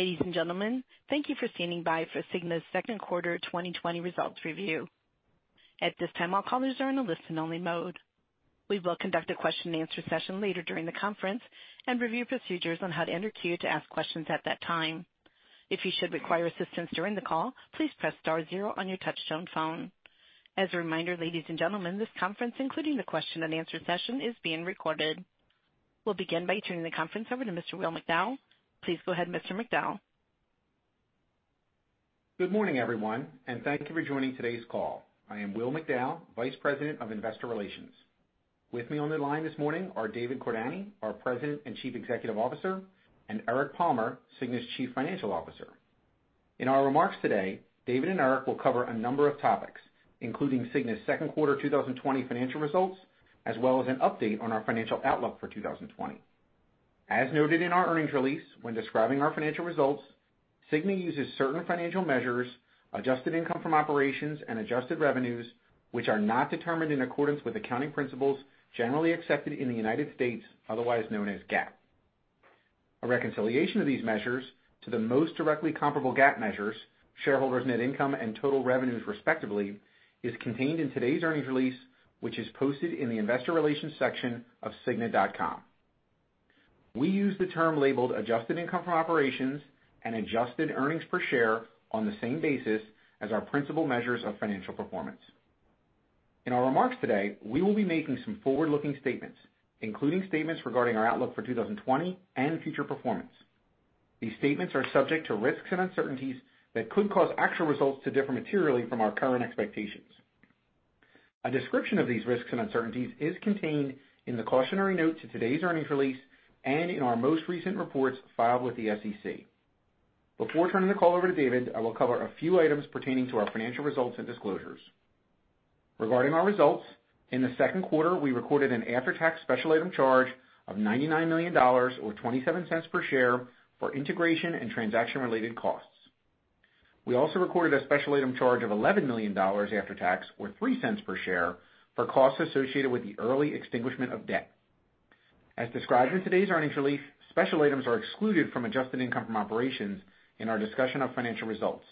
Ladies and gentlemen, thank you for standing by for Cigna's second quarter 2020 results review. At this time, all callers are in a listen-only mode. We will conduct a question and answer session later during the conference and review procedures on how to enter queue to ask questions at that time. If you should require assistance during the call, please press star zero on your touchtone phone. As a reminder, ladies and gentlemen, this conference, including the question and answer session, is being recorded. We will begin by turning the conference over to Mr. William McDowell. Please go ahead, Mr. McDowell. Good morning, everyone, and thank you for joining today's call. I am William McDowell, Vice President of Investor Relations. With me on the line this morning are David Cordani, our President and Chief Executive Officer, and Eric Palmer, Cigna's Chief Financial Officer. In our remarks today, David and Eric will cover a number of topics, including Cigna's second quarter 2020 financial results, as well as an update on our financial outlook for 2020. As noted in our earnings release, when describing our financial results, Cigna uses certain financial measures, adjusted income from operations and adjusted revenues, which are not determined in accordance with accounting principles generally accepted in the U.S., otherwise known as GAAP. A reconciliation of these measures to the most directly comparable GAAP measures, shareholders' net income and total revenues, respectively, is contained in today's earnings release, which is posted in the investor relations section of cigna.com. We use the term labeled adjusted income from operations and adjusted earnings per share on the same basis as our principal measures of financial performance. In our remarks today, we will be making some forward-looking statements, including statements regarding our outlook for 2020 and future performance. These statements are subject to risks and uncertainties that could cause actual results to differ materially from our current expectations. A description of these risks and uncertainties is contained in the cautionary note to today's earnings release and in our most recent reports filed with the SEC. Before turning the call over to David, I will cover a few items pertaining to our financial results and disclosures. Regarding our results, in the second quarter, we recorded an after-tax special item charge of $99 million, or $0.27 per share for integration and transaction-related costs. We also recorded a special item charge of $11 million after tax, or $0.03 per share for costs associated with the early extinguishment of debt. As described in today's earnings release, special items are excluded from adjusted income from operations in our discussion of financial results.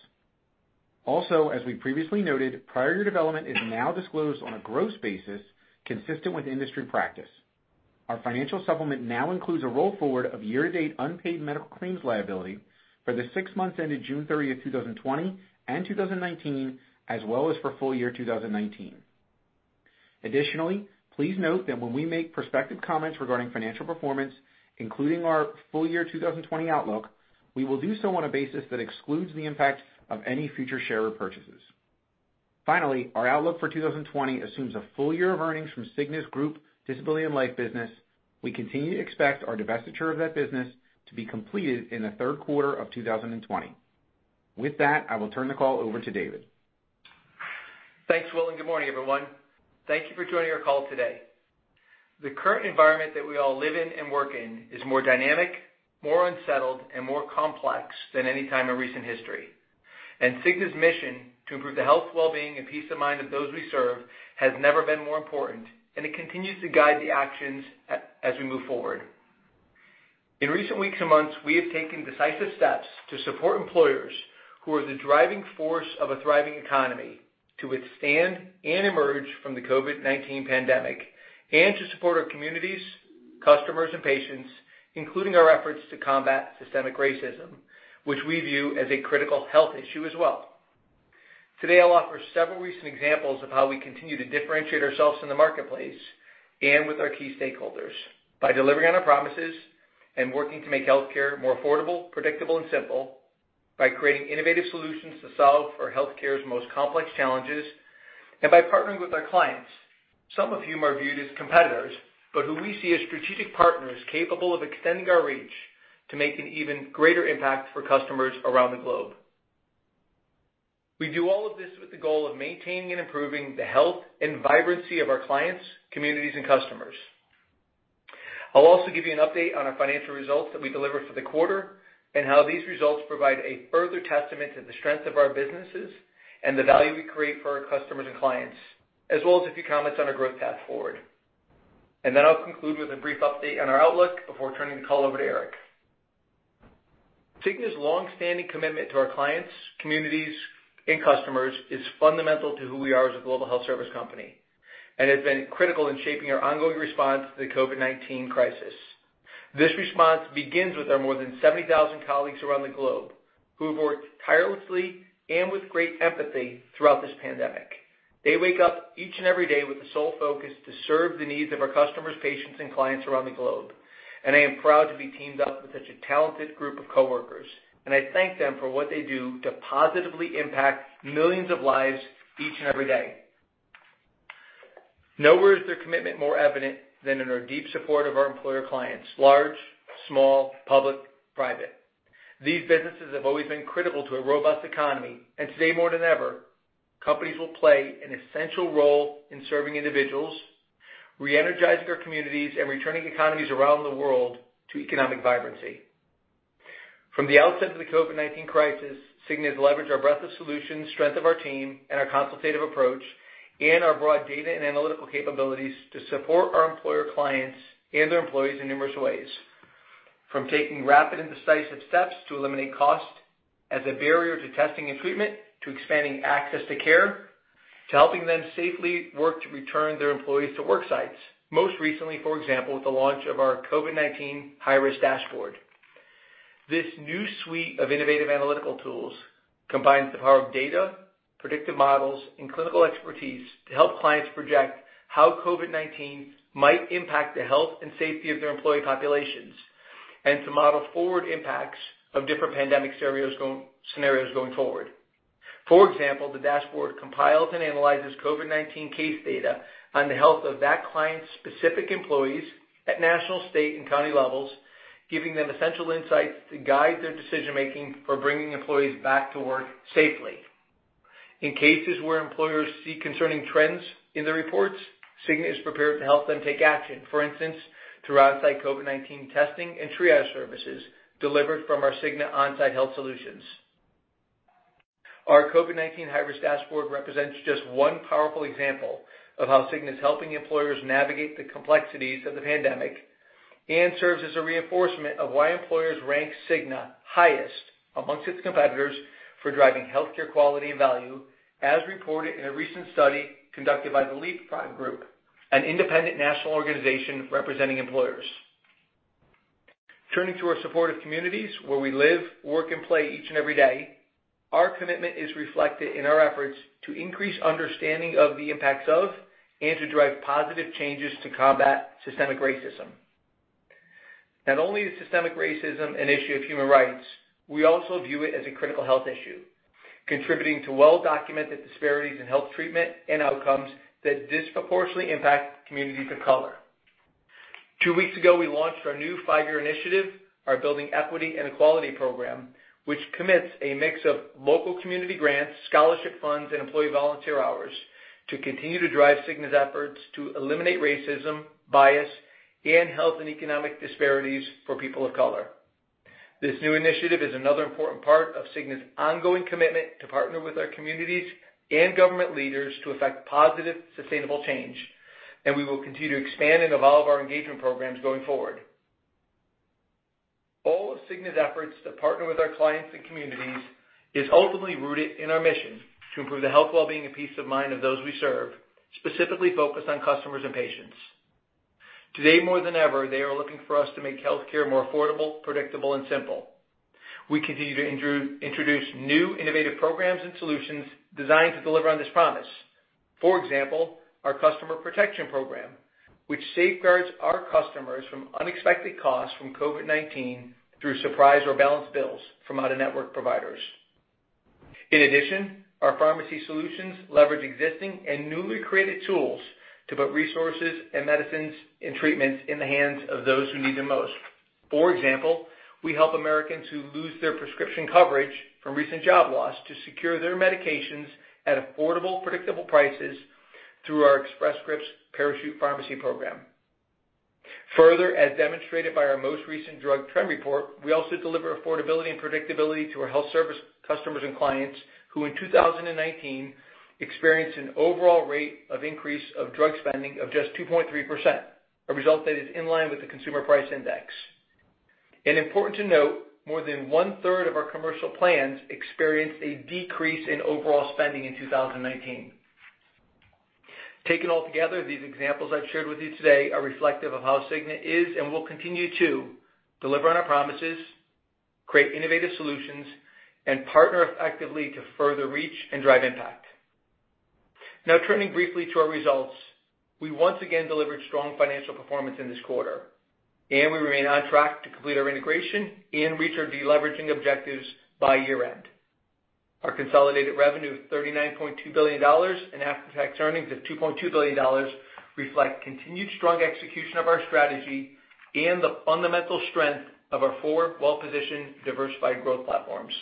As we previously noted, prior year development is now disclosed on a gross basis consistent with industry practice. Our financial supplement now includes a roll forward of year-to-date unpaid medical claims liability for the six months ended June 30, 2020 and 2019, as well as for full year 2019. Please note that when we make prospective comments regarding financial performance, including our full year 2020 outlook, we will do so on a basis that excludes the impact of any future share repurchases. Our outlook for 2020 assumes a full year of earnings from Cigna's group disability and life business. We continue to expect our divestiture of that business to be completed in the third quarter of 2020. With that, I will turn the call over to David. Thanks, Will. Good morning, everyone. Thank you for joining our call today. The current environment that we all live in and work in is more dynamic, more unsettled, and more complex than any time in recent history. Cigna's mission to improve the health, well-being, and peace of mind of those we serve has never been more important. It continues to guide the actions as we move forward. In recent weeks and months, we have taken decisive steps to support employers who are the driving force of a thriving economy to withstand and emerge from the COVID-19 pandemic and to support our communities, customers, and patients, including our efforts to combat systemic racism, which we view as a critical health issue as well. Today, I'll offer several recent examples of how we continue to differentiate ourselves in the marketplace and with our key stakeholders by delivering on our promises and working to make healthcare more affordable, predictable, and simple, by creating innovative solutions to solve for healthcare's most complex challenges, and by partnering with our clients, some of whom are viewed as competitors, but who we see as strategic partners capable of extending our reach to make an even greater impact for customers around the globe. We do all of this with the goal of maintaining and improving the health and vibrancy of our clients, communities, and customers. I'll also give you an update on our financial results that we delivered for the quarter and how these results provide a further testament to the strength of our businesses and the value we create for our customers and clients, as well as a few comments on our growth path forward. I'll conclude with a brief update on our outlook before turning the call over to Eric. Cigna's long-standing commitment to our clients, communities, and customers is fundamental to who we are as a global health service company and has been critical in shaping our ongoing response to the COVID-19 crisis. This response begins with our more than 70,000 colleagues around the globe who have worked tirelessly and with great empathy throughout this pandemic. They wake up each and every day with the sole focus to serve the needs of our customers, patients, and clients around the globe, and I am proud to be teamed up with such a talented group of coworkers, and I thank them for what they do to positively impact millions of lives each and every day. Nowhere is their commitment more evident than in our deep support of our employer clients, large, small, public, private. These businesses have always been critical to a robust economy. Today more than ever, companies will play an essential role in serving individuals, re-energizing their communities, and returning economies around the world to economic vibrancy. From the outset of the COVID-19 crisis, Cigna has leveraged our breadth of solutions, strength of our team, our consultative approach, and our broad data and analytical capabilities to support our employer clients and their employees in numerous ways. From taking rapid and decisive steps to eliminate cost as a barrier to testing and treatment, to expanding access to care, to helping them safely work to return their employees to work sites. Most recently, for example, with the launch of our COVID-19 High-Risk Dashboard. This new suite of innovative analytical tools combines the power of data, predictive models, and clinical expertise to help clients project how COVID-19 might impact the health and safety of their employee populations, and to model forward impacts of different pandemic scenarios going forward. For example, the dashboard compiles and analyzes COVID-19 case data on the health of that client's specific employees at national, state, and county levels, giving them essential insights to guide their decision-making for bringing employees back to work safely. In cases where employers see concerning trends in their reports, Cigna is prepared to help them take action. For instance, through on-site COVID-19 testing and triage services delivered from our Cigna Onsite Health Solutions. Our COVID-19 High-Risk Dashboard represents just one powerful example of how Cigna is helping employers navigate the complexities of the pandemic and serves as a reinforcement of why employers rank Cigna highest amongst its competitors for driving healthcare quality and value, as reported in a recent study conducted by The Leapfrog Group, an independent national organization representing employers. Turning to our supportive communities where we live, work, and play each and every day, our commitment is reflected in our efforts to increase understanding of the impacts of and to drive positive changes to combat systemic racism. Not only is systemic racism an issue of human rights, we also view it as a critical health issue, contributing to well-documented disparities in health treatment and outcomes that disproportionately impact communities of color. Two weeks ago, we launched our new five-year initiative, our Building Equity and Equality Program, which commits a mix of local community grants, scholarship funds, and employee volunteer hours to continue to drive Cigna's efforts to eliminate racism, bias, and health and economic disparities for people of color. This new initiative is another important part of Cigna's ongoing commitment to partner with our communities and government leaders to effect positive, sustainable change, we will continue to expand and evolve our engagement programs going forward. All of Cigna's efforts to partner with our clients and communities is ultimately rooted in our mission to improve the health, wellbeing, and peace of mind of those we serve, specifically focused on customers and patients. Today more than ever, they are looking for us to make healthcare more affordable, predictable, and simple. We continue to introduce new innovative programs and solutions designed to deliver on this promise. For example, our COVID-19 Customer Protection Program, which safeguards our customers from unexpected costs from COVID-19 through surprise or balance bills from out-of-network providers. In addition, our pharmacy solutions leverage existing and newly created tools to put resources and medicines and treatments in the hands of those who need them most. For example, we help Americans who lose their prescription coverage from recent job loss to secure their medications at affordable, predictable prices through our Express Scripts Parachute Rx program. Further, as demonstrated by our most recent Drug Trend Report, we also deliver affordability and predictability to our health service customers and clients, who in 2019 experienced an overall rate of increase of drug spending of just 2.3%, a result that is in line with the consumer price index. Important to note, more than one-third of our commercial plans experienced a decrease in overall spending in 2019. Taken altogether, these examples I've shared with you today are reflective of how Cigna is and will continue to deliver on our promises, create innovative solutions, and partner effectively to further reach and drive impact. Turning briefly to our results. We once again delivered strong financial performance in this quarter, and we remain on track to complete our integration and reach our deleveraging objectives by year-end. Our consolidated revenue of $39.2 billion and after-tax earnings of $2.2 billion reflect continued strong execution of our strategy and the fundamental strength of our four well-positioned, diversified growth platforms.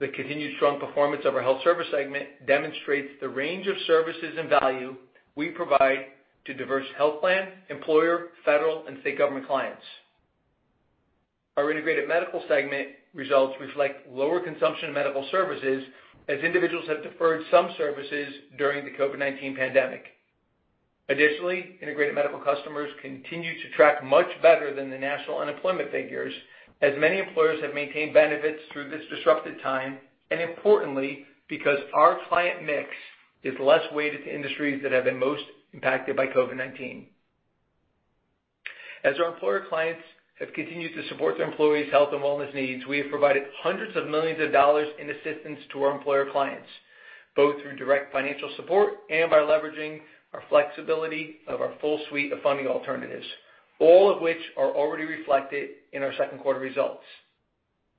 The continued strong performance of our health service segment demonstrates the range of services and value we provide to diverse health plan, employer, federal, and state government clients. Our integrated medical segment results reflect lower consumption of medical services as individuals have deferred some services during the COVID-19 pandemic. Additionally, integrated medical customers continue to track much better than the national unemployment figures, as many employers have maintained benefits through this disrupted time, and importantly, because our client mix is less weighted to industries that have been most impacted by COVID-19. As our employer clients have continued to support their employees' health and wellness needs, we have provided hundreds of millions of dollars in assistance to our employer clients, both through direct financial support and by leveraging our flexibility of our full suite of funding alternatives, all of which are already reflected in our second quarter results.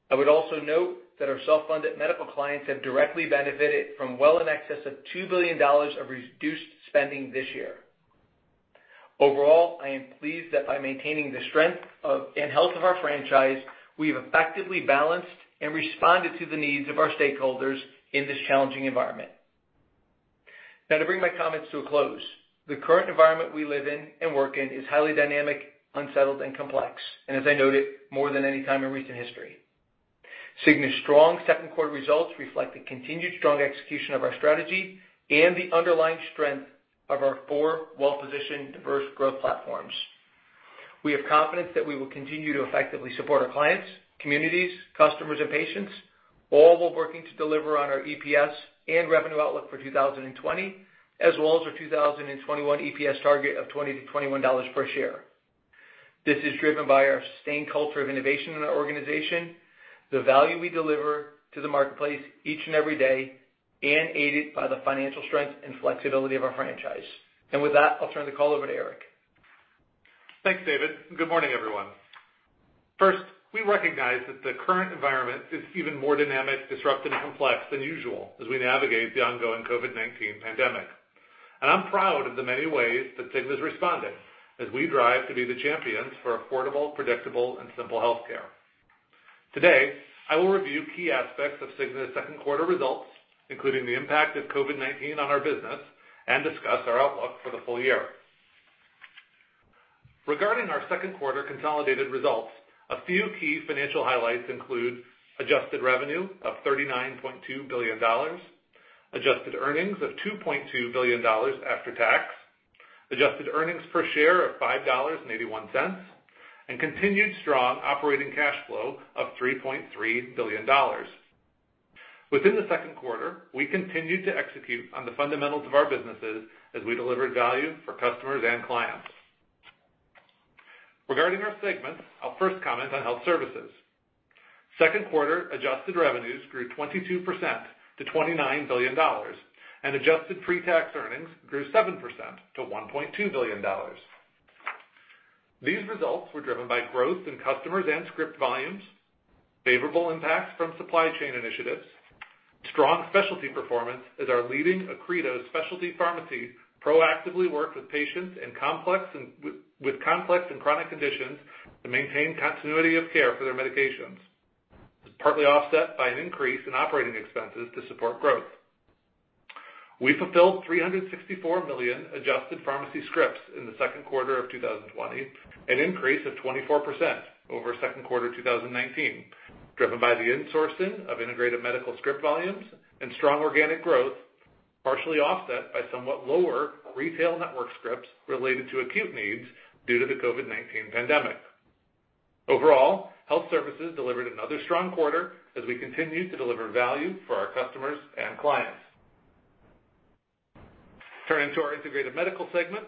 I would also note that our self-funded medical clients have directly benefited from well in excess of $2 billion of reduced spending this year. Overall, I am pleased that by maintaining the strength and health of our franchise, we've effectively balanced and responded to the needs of our stakeholders in this challenging environment. To bring my comments to a close, the current environment we live in and work in is highly dynamic, unsettled, and complex, and as I noted, more than any time in recent history. Cigna's strong second quarter results reflect the continued strong execution of our strategy and the underlying strength of our four well-positioned diverse growth platforms. We have confidence that we will continue to effectively support our clients, communities, customers, and patients, all while working to deliver on our EPS and revenue outlook for 2020, as well as our 2021 EPS target of $20 to $21 per share. This is driven by our sustained culture of innovation in our organization, the value we deliver to the marketplace each and every day, and aided by the financial strength and flexibility of our franchise. With that, I'll turn the call over to Eric. Thanks, David, and good morning, everyone. First, we recognize that the current environment is even more dynamic, disruptive, and complex than usual as we navigate the ongoing COVID-19 pandemic. I'm proud of the many ways that Cigna's responding as we drive to be the champions for affordable, predictable, and simple healthcare. Today, I will review key aspects of Cigna's second quarter results, including the impact of COVID-19 on our business, and discuss our outlook for the full year. Regarding our second quarter consolidated results, a few key financial highlights include adjusted revenue of $39.2 billion, adjusted earnings of $2.2 billion after tax, adjusted earnings per share of $5.81, and continued strong operating cash flow of $3.3 billion. Within the second quarter, we continued to execute on the fundamentals of our businesses as we delivered value for customers and clients. Regarding our segments, I'll first comment on health services. Second quarter adjusted revenues grew 22% to $29 billion, and adjusted pre-tax earnings grew 7% to $1.2 billion. These results were driven by growth in customers and script volumes, favorable impacts from supply chain initiatives, strong specialty performance as our leading Accredo Specialty Pharmacy proactively worked with patients with complex and chronic conditions to maintain continuity of care for their medications. It's partly offset by an increase in operating expenses to support growth. We fulfilled 364 million adjusted pharmacy scripts in the second quarter of 2020, an increase of 24% over second quarter 2019, driven by the insourcing of Integrated Medical Segment script volumes and strong organic growth, partially offset by somewhat lower retail network scripts related to acute needs due to the COVID-19 pandemic. Overall, health services delivered another strong quarter as we continue to deliver value for our customers and clients. Turning to our Integrated Medical Segment.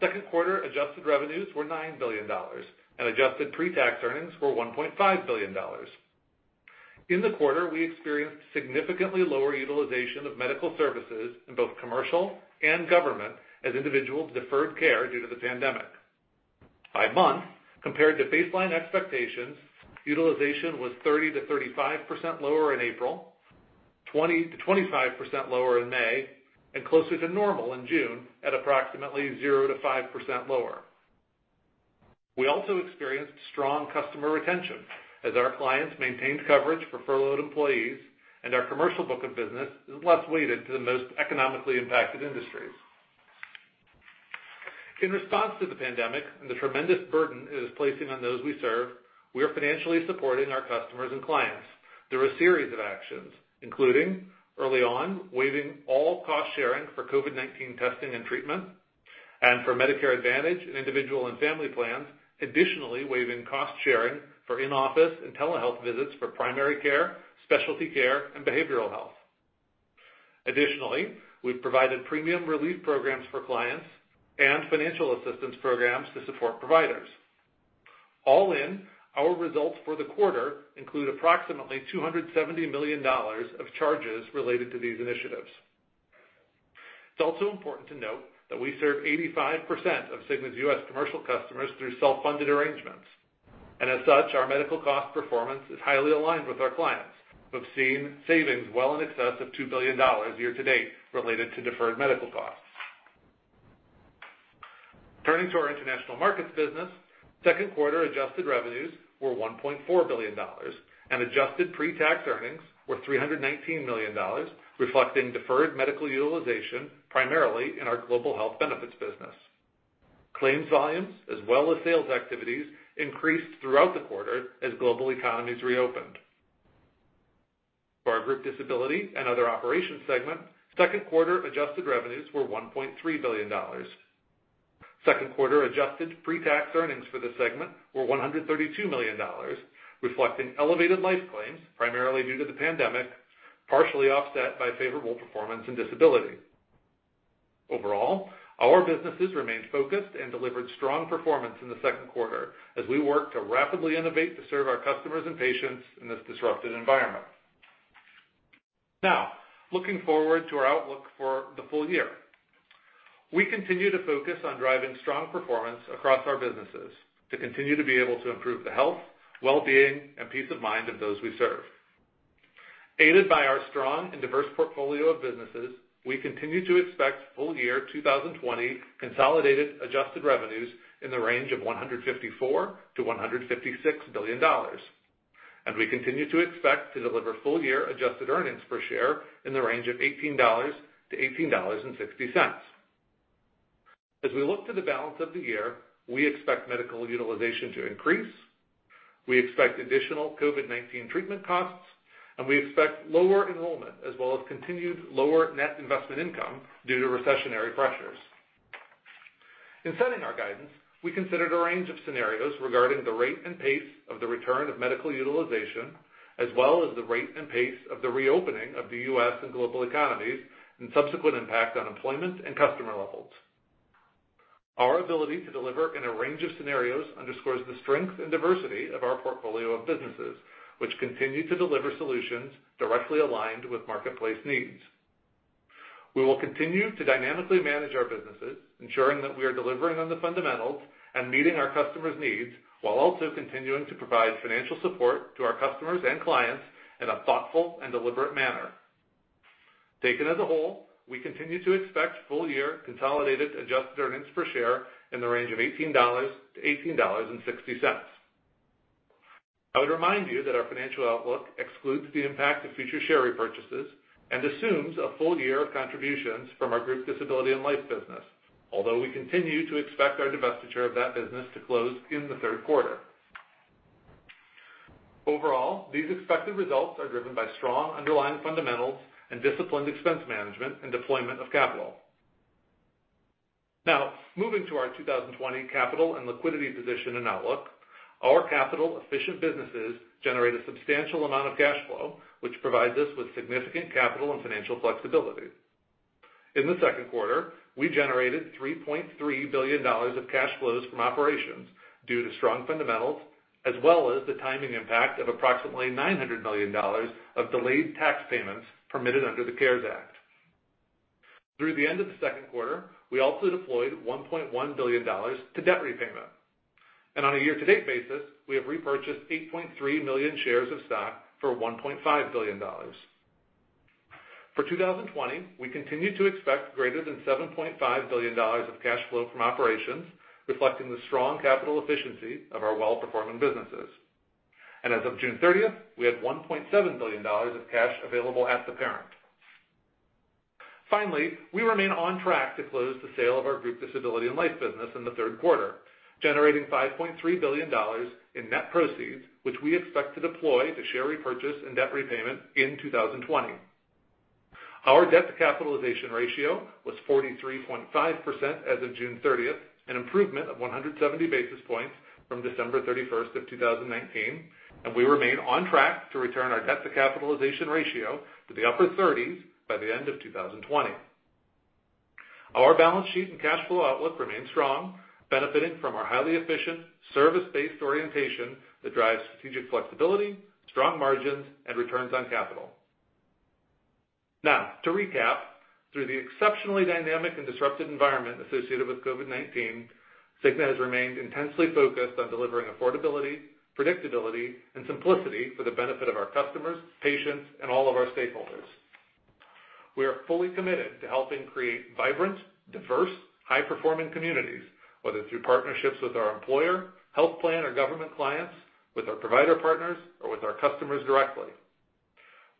Second quarter adjusted revenues were $9 billion, and adjusted pre-tax earnings were $1.5 billion. In the quarter, we experienced significantly lower utilization of medical services in both commercial and government as individuals deferred care due to the pandemic. By month, compared to baseline expectations, utilization was 30%-35% lower in April, 20%-25% lower in May, and closer to normal in June, at approximately 0%-5% lower. We also experienced strong customer retention as our clients maintained coverage for furloughed employees, and our commercial book of business is less weighted to the most economically impacted industries. In response to the pandemic and the tremendous burden it is placing on those we serve, we are financially supporting our customers and clients through a series of actions, including early on, waiving all cost-sharing for COVID-19 testing and treatment, and for Medicare Advantage and individual and family plans, additionally waiving cost-sharing for in-office and telehealth visits for primary care, specialty care, and behavioral health. Additionally, we've provided premium relief programs for clients and financial assistance programs to support providers. All in, our results for the quarter include approximately $270 million of charges related to these initiatives. It's also important to note that we serve 85% of Cigna's U.S. commercial customers through self-funded arrangements, and as such, our medical cost performance is highly aligned with our clients, who have seen savings well in excess of $2 billion year to date related to deferred medical costs. Turning to our international markets business. Second quarter adjusted revenues were $1.4 billion, and adjusted pre-tax earnings were $319 million, reflecting deferred medical utilization primarily in our global health benefits business. Claims volumes as well as sales activities increased throughout the quarter as global economies reopened. For our Group Disability and Other Operations segment, second quarter adjusted revenues were $1.3 billion. Second quarter adjusted pre-tax earnings for the segment were $132 million, reflecting elevated life claims, primarily due to the pandemic, partially offset by favorable performance and disability. Overall, our businesses remained focused and delivered strong performance in the second quarter as we work to rapidly innovate to serve our customers and patients in this disrupted environment. Looking forward to our outlook for the full year. We continue to focus on driving strong performance across our businesses to continue to be able to improve the health, well-being, and peace of mind of those we serve. Aided by our strong and diverse portfolio of businesses, we continue to expect full year 2020 consolidated adjusted revenues in the range of $154 billion-$156 billion. We continue to expect to deliver full-year adjusted earnings per share in the range of $18-$18.60. As we look to the balance of the year, we expect medical utilization to increase, we expect additional COVID-19 treatment costs, and we expect lower enrollment as well as continued lower net investment income due to recessionary pressures. In setting our guidance, we considered a range of scenarios regarding the rate and pace of the return of medical utilization, as well as the rate and pace of the reopening of the U.S. and global economies and subsequent impact on employment and customer levels. Our ability to deliver in a range of scenarios underscores the strength and diversity of our portfolio of businesses, which continue to deliver solutions directly aligned with marketplace needs. We will continue to dynamically manage our businesses, ensuring that we are delivering on the fundamentals and meeting our customers' needs, while also continuing to provide financial support to our customers and clients in a thoughtful and deliberate manner. Taken as a whole, we continue to expect full-year consolidated adjusted earnings per share in the range of $18-$18.60. I would remind you that our financial outlook excludes the impact of future share repurchases and assumes a full year of contributions from our group disability and life business, although we continue to expect our divestiture of that business to close in the third quarter. These expected results are driven by strong underlying fundamentals and disciplined expense management and deployment of capital. Moving to our 2020 capital and liquidity position and outlook. Our capital efficient businesses generate a substantial amount of cash flow, which provides us with significant capital and financial flexibility. In the second quarter, we generated $3.3 billion of cash flows from operations due to strong fundamentals, as well as the timing impact of approximately $900 million of delayed tax payments permitted under the CARES Act. Through the end of the second quarter, we also deployed $1.1 billion to debt repayment. On a year-to-date basis, we have repurchased 8.3 million shares of stock for $1.5 billion. For 2020, we continue to expect greater than $7.5 billion of cash flow from operations, reflecting the strong capital efficiency of our well-performing businesses. As of June 30th, we had $1.7 billion of cash available at the parent. Finally, we remain on track to close the sale of our group disability and life business in the third quarter, generating $5.3 billion in net proceeds, which we expect to deploy to share repurchase and debt repayment in 2020. Our debt to capitalization ratio was 43.5% as of June 30th, an improvement of 170 basis points from December 31st of 2019, and we remain on track to return our debt to capitalization ratio to the upper 30s by the end of 2020. Our balance sheet and cash flow outlook remain strong, benefiting from our highly efficient service-based orientation that drives strategic flexibility, strong margins, and returns on capital. Now, to recap, through the exceptionally dynamic and disruptive environment associated with COVID-19, Cigna has remained intensely focused on delivering affordability, predictability, and simplicity for the benefit of our customers, patients, and all of our stakeholders. We are fully committed to helping create vibrant, diverse, high-performing communities, whether through partnerships with our employer, health plan or government clients, with our provider partners, or with our customers directly.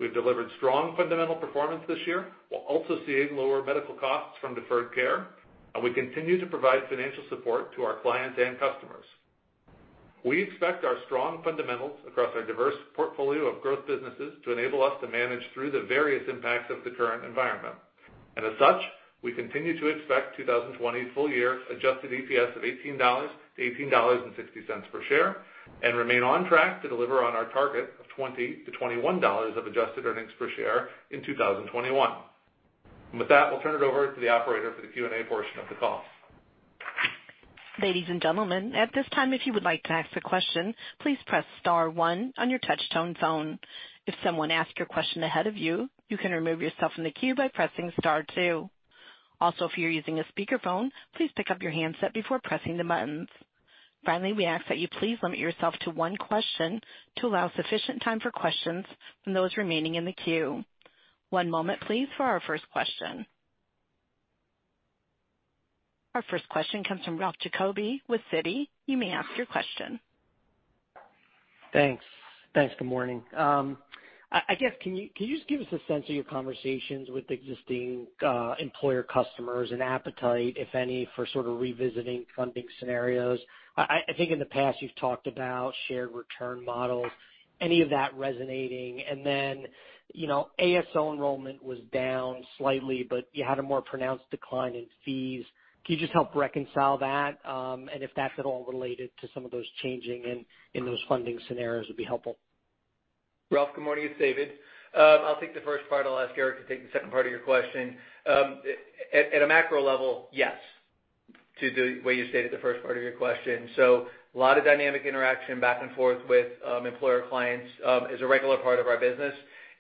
We've delivered strong fundamental performance this year, while also seeing lower medical costs from deferred care, and we continue to provide financial support to our clients and customers. We expect our strong fundamentals across our diverse portfolio of growth businesses to enable us to manage through the various impacts of the current environment. As such, we continue to expect 2020 full-year adjusted EPS of $18-$18.60 per share and remain on track to deliver on our target of $20-$21 of adjusted earnings per share in 2021. With that, we'll turn it over to the operator for the Q&A portion of the call. Ladies and gentlemen, at this time, if you would like to ask a question, please press star one on your touch-tone phone. If someone asks your question ahead of you can remove yourself from the queue by pressing star two. Also, if you're using a speakerphone, please pick up your handset before pressing the buttons. Finally, we ask that you please limit yourself to one question to allow sufficient time for questions from those remaining in the queue. One moment please for our first question. Our first question comes from Ralph Giacobbe with Citi. You may ask your question. Thanks. Good morning. I guess, can you just give us a sense of your conversations with existing employer customers and appetite, if any, for sort of revisiting funding scenarios? I think in the past you've talked about shared return models. Any of that resonating? ASO enrollment was down slightly, but you had a more pronounced decline in fees. Can you just help reconcile that? If that's at all related to some of those changing in those funding scenarios would be helpful. Ralph, good morning. It's David. I'll take the first part. I'll ask Eric to take the second part of your question. At a macro level, yes, to the way you stated the first part of your question. A lot of dynamic interaction back and forth with employer clients as a regular part of our business,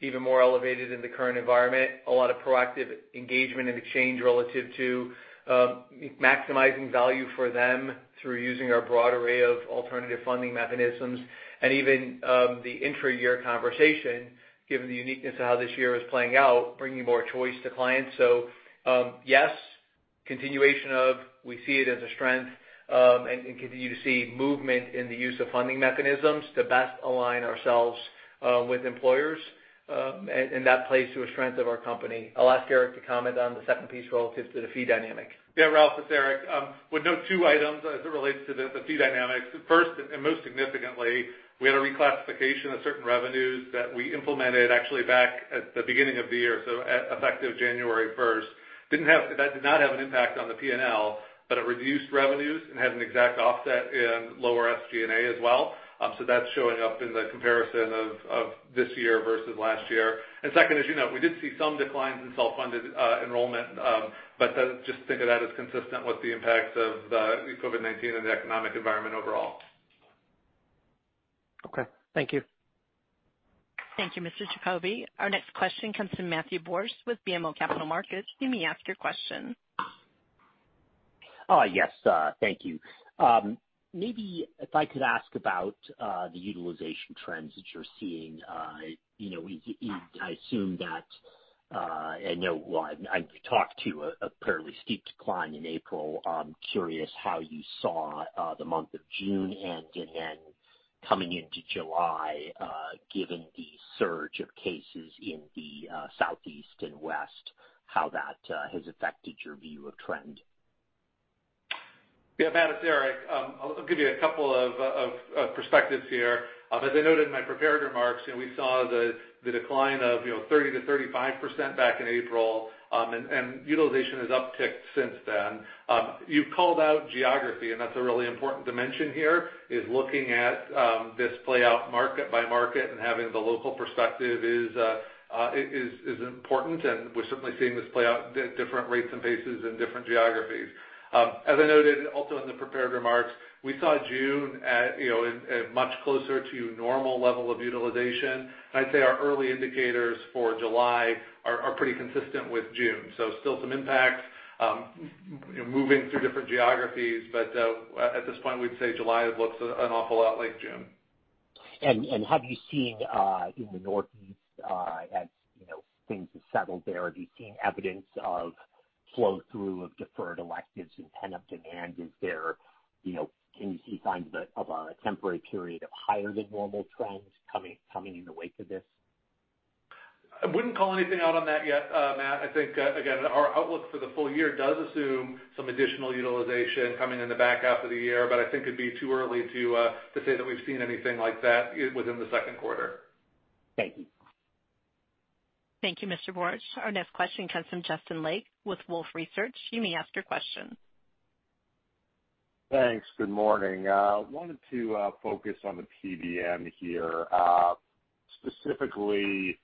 even more elevated in the current environment. A lot of proactive engagement and exchange relative to maximizing value for them through using our broad array of alternative funding mechanisms and even the intra-year conversation, given the uniqueness of how this year is playing out, bringing more choice to clients. Yes. We see it as a strength, and continue to see movement in the use of funding mechanisms to best align ourselves with employers, and that plays to a strength of our company. I'll ask Eric to comment on the second piece relative to the fee dynamic. Yeah, Ralph, it's Eric. Would note two items as it relates to the fee dynamics. First, and most significantly, we had a reclassification of certain revenues that we implemented actually back at the beginning of the year, so effective January 1st. That did not have an impact on the P&L, but it reduced revenues and had an exact offset in lower SG&A as well. That's showing up in the comparison of this year versus last year. Second, as you know, we did see some declines in self-funded enrollment, but just think of that as consistent with the impact of COVID-19 and the economic environment overall. Okay. Thank you. Thank you, Mr. Giacobbe. Our next question comes from Matthew Borsch with BMO Capital Markets. You may ask your question. Yes. Thank you. Maybe if I could ask about the utilization trends that you're seeing. I assume that, and know, well, I've talked to a fairly steep decline in April. I'm curious how you saw the month of June and then coming into July, given the surge of cases in the Southeast and West, how that has affected your view of trend. Yeah, Matt, it's Eric. I'll give you a couple of perspectives here. As I noted in my prepared remarks, we saw the decline of 30%-35% back in April, and utilization has upticked since then. You've called out geography, and that's a really important dimension here, is looking at this play out market by market and having the local perspective is important, and we're certainly seeing this play out at different rates and paces in different geographies. As I noted also in the prepared remarks, we saw June at much closer to normal level of utilization, and I'd say our early indicators for July are pretty consistent with June. Still some impacts, moving through different geographies. At this point, we'd say July looks an awful lot like June. Have you seen in the Northeast, as things have settled there, have you seen evidence of flow through of deferred electives and pent-up demand? Can you see signs of a temporary period of higher than normal trends coming in the wake of this? I wouldn't call anything out on that yet, Matt. I think, again, our outlook for the full year does assume some additional utilization coming in the back half of the year, but I think it'd be too early to say that we've seen anything like that within the second quarter. Thank you. Thank you, Mr. Borsch. Our next question comes from Justin Lake with Wolfe Research. You may ask your question. Thanks. Good morning. Wanted to focus on the PBM here, specifically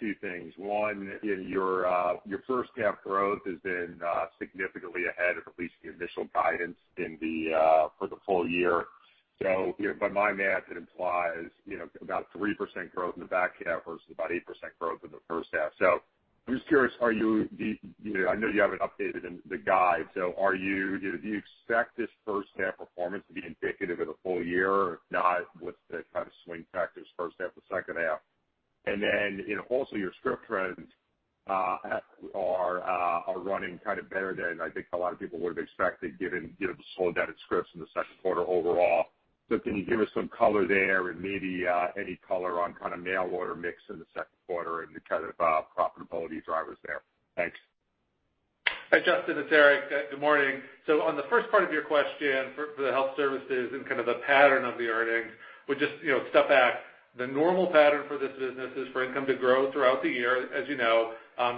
two things. One, your first half growth has been significantly ahead of at least the initial guidance for the full year. By my math, it implies about 3% growth in the back half versus about 8% growth in the first half. I'm just curious, I know you haven't updated the guide, so do you expect this first half performance to be indicative of the full year? If not, what's the kind of swing factors first half to second half? Also, your script trends are running kind of better than I think a lot of people would've expected given the slow down in scripts in the second quarter overall. Can you give us some color there and maybe any color on kind of mail order mix in the second quarter and the kind of profitability drivers there? Thanks. Hi, Justin, it's Eric. Good morning. On the first part of your question, for the health services and kind of the pattern of the earnings, would just step back. The normal pattern for this business is for income to grow throughout the year, as you know.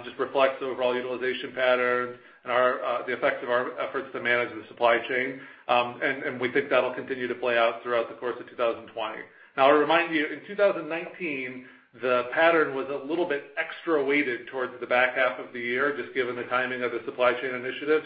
Just reflects the overall utilization patterns and the effects of our efforts to manage the supply chain. We think that'll continue to play out throughout the course of 2020. Now, I'll remind you, in 2019, the pattern was a little bit extra weighted towards the back half of the year, just given the timing of the supply chain initiative.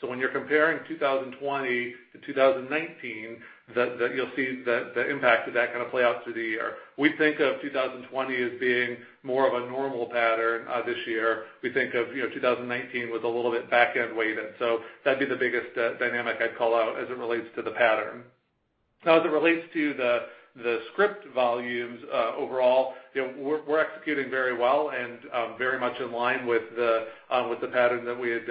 When you're comparing 2020 to 2019, you'll see the impact of that kind of play out through the year. We think of 2020 as being more of a normal pattern this year. We think of 2019 was a little bit backend weighted, so that'd be the biggest dynamic I'd call out as it relates to the pattern. Now, as it relates to the script volumes overall, we're executing very well and very much in line with the pattern that we had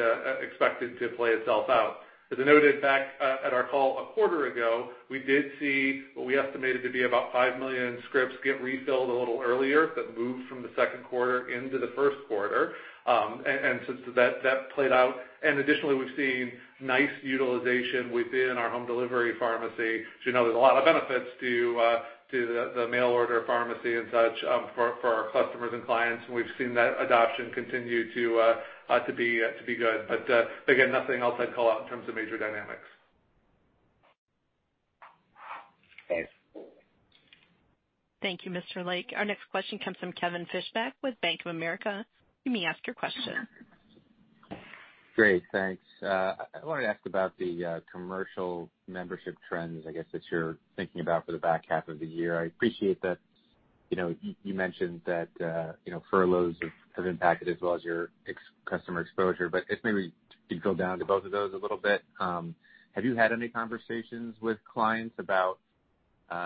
expected to play itself out. As I noted back at our call a quarter ago, we did see what we estimated to be about five million scripts get refilled a little earlier, that moved from the second quarter into the first quarter. Since that played out, additionally, we've seen nice utilization within our home delivery pharmacy. As you know, there's a lot of benefits to the mail order pharmacy and such for our customers and clients, and we've seen that adoption continue to be good. Again, nothing else I'd call out in terms of major dynamics. Thanks. Thank you, Mr. Lake. Our next question comes from Kevin Fischbeck with Bank of America. You may ask your question. Great, thanks. I wanted to ask about the commercial membership trends, I guess, that you're thinking about for the back half of the year. I appreciate that you mentioned that furloughs have impacted as well as your customer exposure, but if maybe you could go down to both of those a little bit. Have you had any conversations with clients about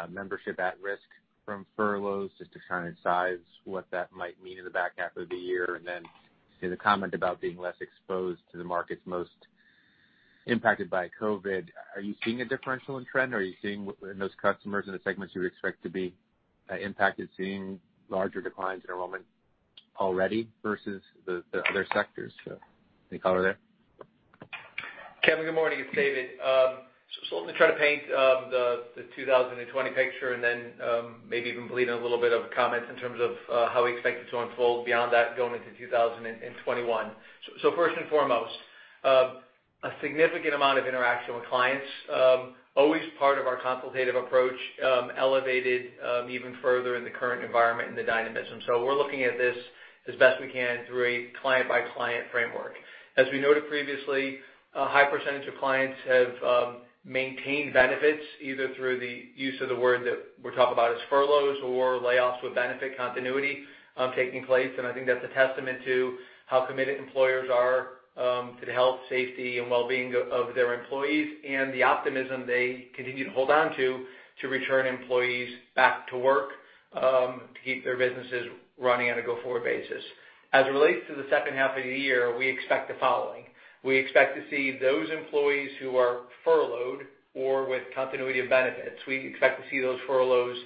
membership at risk from furloughs, just to kind of size what that might mean in the back half of the year, and then in the comment about being less exposed to the markets most impacted by COVID. Are you seeing a differential in trend? Are you seeing in those customers in the segments you would expect to be impacted, seeing larger declines in enrollment already versus the other sectors? Any color there? Kevin, good morning. It's David. Let me try to paint the 2020 picture and then maybe even bleed in a little bit of comments in terms of how we expect it to unfold beyond that going into 2021. First and foremost, a significant amount of interaction with clients, always part of our consultative approach, elevated even further in the current environment and the dynamism. We're looking at this as best we can through a client-by-client framework. As we noted previously, a high percentage of clients have maintained benefits, either through the use of the word that we talk about as furloughs or layoffs with benefit continuity taking place. I think that's a testament to how committed employers are to the health, safety, and wellbeing of their employees and the optimism they continue to hold on to return employees back to work to keep their businesses running on a go-forward basis. As it relates to the second half of the year, we expect the following. We expect to see those employees who are furloughed or with continuity of benefits. We expect to see those furloughs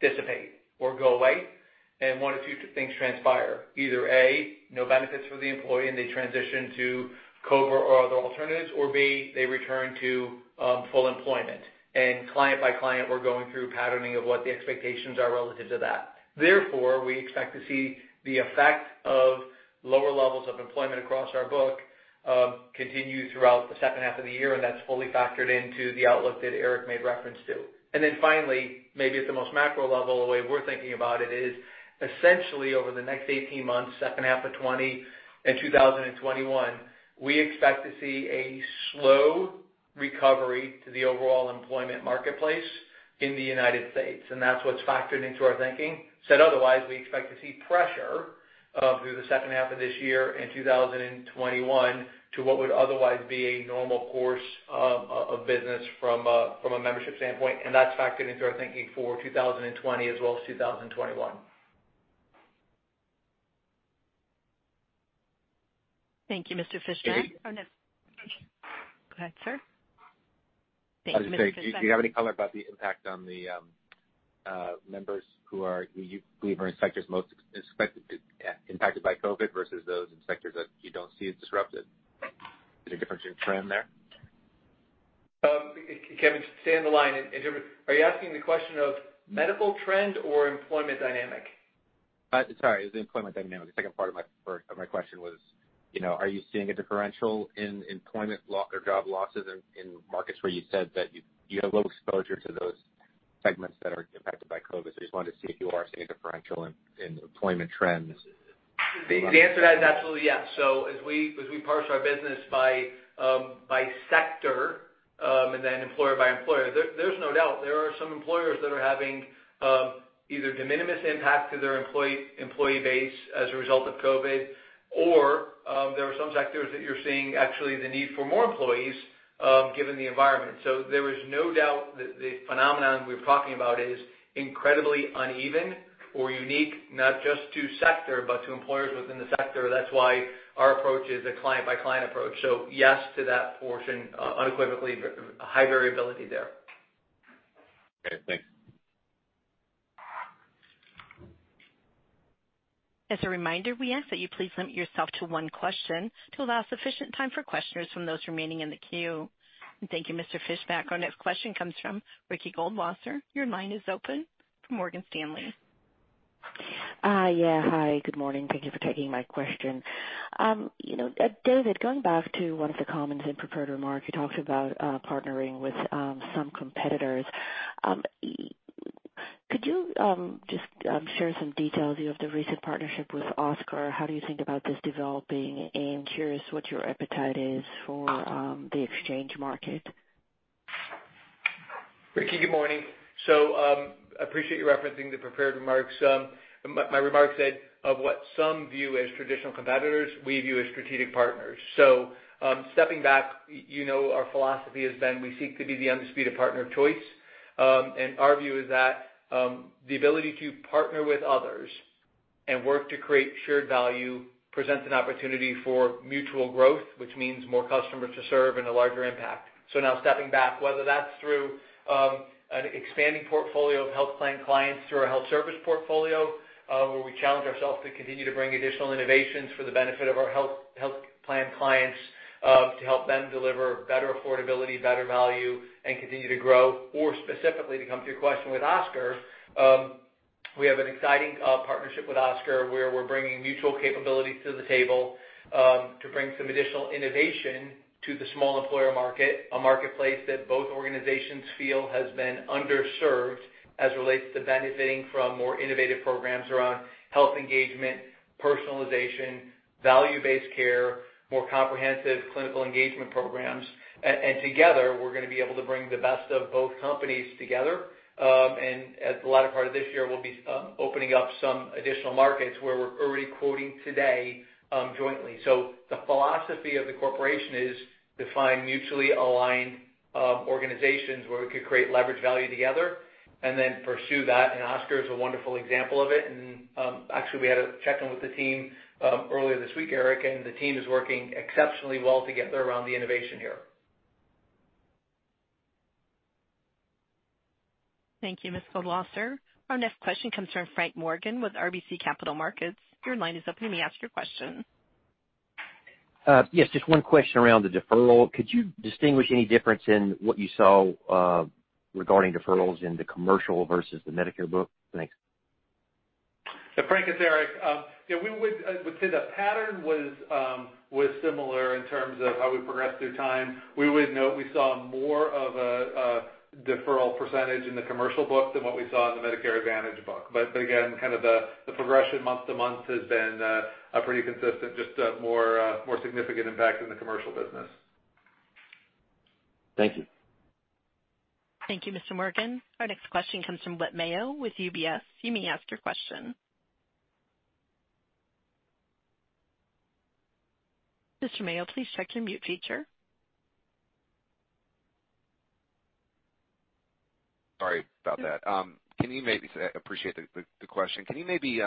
dissipate or go away, and one of two things transpire. Either, A, no benefits for the employee, and they transition to COBRA or other alternatives, or B, they return to full employment. Client by client, we're going through patterning of what the expectations are relative to that. We expect to see the effect of lower levels of employment across our book continue throughout the second half of the year. That's fully factored into the outlook that Eric made reference to. Finally, maybe at the most macro level, the way we're thinking about it is essentially over the next 18 months, second half of 2020 and 2021, we expect to see a slow recovery to the overall employment marketplace in the United States. That's what's factored into our thinking. Said otherwise, we expect to see pressure through the second half of this year and 2021 to what would otherwise be a normal course of business from a membership standpoint. That's factored into our thinking for 2020 as well as 2021. Thank you, Mr. Fischbeck. David- Oh, next. Go ahead, sir. Thank you, Mr. Fischbeck. I was going to say, do you have any color about the impact on the members who you believe are in sectors most expected to impacted by COVID-19 versus those in sectors that you don't see as disrupted? Is there a difference in trend there? Kevin, stay on the line. Are you asking the question of medical trend or employment dynamic? Sorry, it was the employment dynamic. The second part of my question was, are you seeing a differential in employment or job losses in markets where you said that you have low exposure to those segments that are impacted by COVID? I just wanted to see if you are seeing a differential in employment trends. The answer to that is absolutely yes. As we parse our business by sector, and then employer by employer, there's no doubt there are some employers that are having either de minimis impact to their employee base as a result of COVID, or there are some sectors that you're seeing actually the need for more employees given the environment. There is no doubt that the phenomenon we're talking about is incredibly uneven or unique, not just to sector, but to employers within the sector. That's why our approach is a client-by-client approach. Yes to that portion, unequivocally high variability there. Okay, thanks. As a reminder, we ask that you please limit yourself to one question to allow sufficient time for questioners from those remaining in the queue. Thank you, Mr. Fischbeck. Our next question comes from Ricky Goldwasser. Your line is open from Morgan Stanley. Yeah, hi. Good morning. Thank you for taking my question. David, going back to one of the comments in prepared remarks, you talked about partnering with some competitors. Could you just share some details of the recent partnership with Oscar? How do you think about this developing? Curious what your appetite is for the exchange market. Ricky, good morning. Appreciate you referencing the prepared remarks. My remarks said of what some view as traditional competitors, we view as strategic partners. Stepping back, you know our philosophy has been we seek to be the undisputed partner of choice. Our view is that the ability to partner with others and work to create shared value presents an opportunity for mutual growth, which means more customers to serve and a larger impact. Now stepping back, whether that's through an expanding portfolio of health plan clients through our health service portfolio, where we challenge ourselves to continue to bring additional innovations for the benefit of our health plan clients to help them deliver better affordability, better value, and continue to grow. Specifically, to come to your question with Oscar, we have an exciting partnership with Oscar, where we're bringing mutual capabilities to the table to bring some additional innovation to the small employer market, a marketplace that both organizations feel has been underserved as it relates to benefiting from more innovative programs around health engagement, personalization, value-based care, more comprehensive clinical engagement programs. Together, we're going to be able to bring the best of both companies together. As the latter part of this year, we'll be opening up some additional markets where we're already quoting today jointly. The philosophy of the corporation is to find mutually aligned organizations where we could create leverage value together and then pursue that. Oscar is a wonderful example of it. Actually, we had a check-in with the team earlier this week, Eric, and the team is working exceptionally well together around the innovation here. Thank you, Mr. Goldwasser. Our next question comes from Frank Morgan with RBC Capital Markets. Your line is open. You may ask your question. Yes, just one question around the deferral. Could you distinguish any difference in what you saw regarding deferrals in the commercial versus the Medicare book? Thanks. Frank, it's Eric. I would say the pattern was similar in terms of how we progressed through time. We would note we saw more of a deferral percentage in the commercial book than what we saw in the Medicare Advantage book. Again, kind of the progression month to month has been pretty consistent, just a more significant impact in the commercial business. Thank you. Thank you, Mr. Morgan. Our next question comes from Whit Mayo with UBS. You may ask your question. Mr. Mayo, please check your mute feature. Sorry about that. Appreciate the question. Can you maybe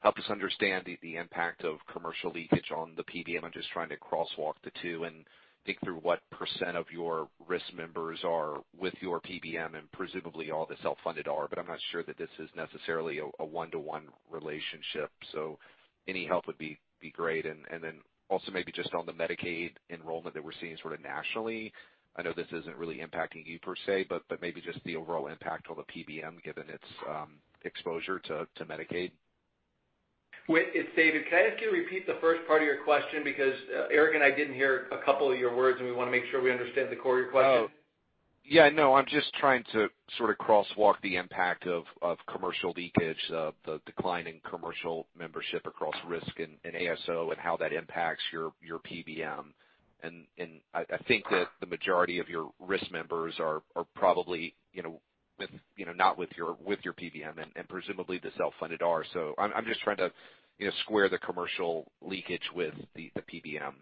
help us understand the impact of commercial leakage on the PBM? I'm just trying to crosswalk the two and think through what percent of your risk members are with your PBM and presumably all the self-funded are, but I'm not sure that this is necessarily a one-to-one relationship, so any help would be great. Also maybe just on the Medicaid enrollment that we're seeing sort of nationally. I know this isn't really impacting you per se, but maybe just the overall impact on the PBM given its exposure to Medicaid. Whit, it's David. Can I ask you to repeat the first part of your question? Eric and I didn't hear a couple of your words, and we want to make sure we understand the core of your question. Oh, yeah. No, I'm just trying to sort of crosswalk the impact of commercial leakage, the decline in commercial membership across risk and ASO, and how that impacts your PBM. I think that the majority of your risk members are probably with your PBM, and presumably the self-funded are. I'm just trying to square the commercial leakage with the PBM.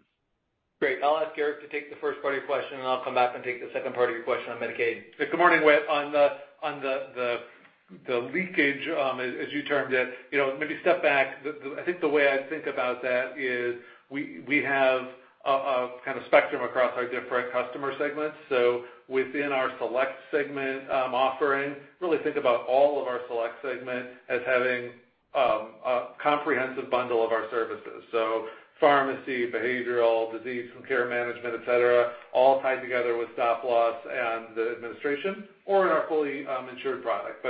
Great. I'll ask Eric to take the first part of your question, and I'll come back and take the second part of your question on Medicaid. Good morning, Whit. On the leakage, as you termed it, maybe step back. I think the way I think about that is, we have a kind of spectrum across our different customer segments. Within our select segment offering, really think about all of our select segment as having a comprehensive bundle of our services. Pharmacy, behavioral, disease, some care management, et cetera, all tied together with stop loss and the administration or in our fully insured product.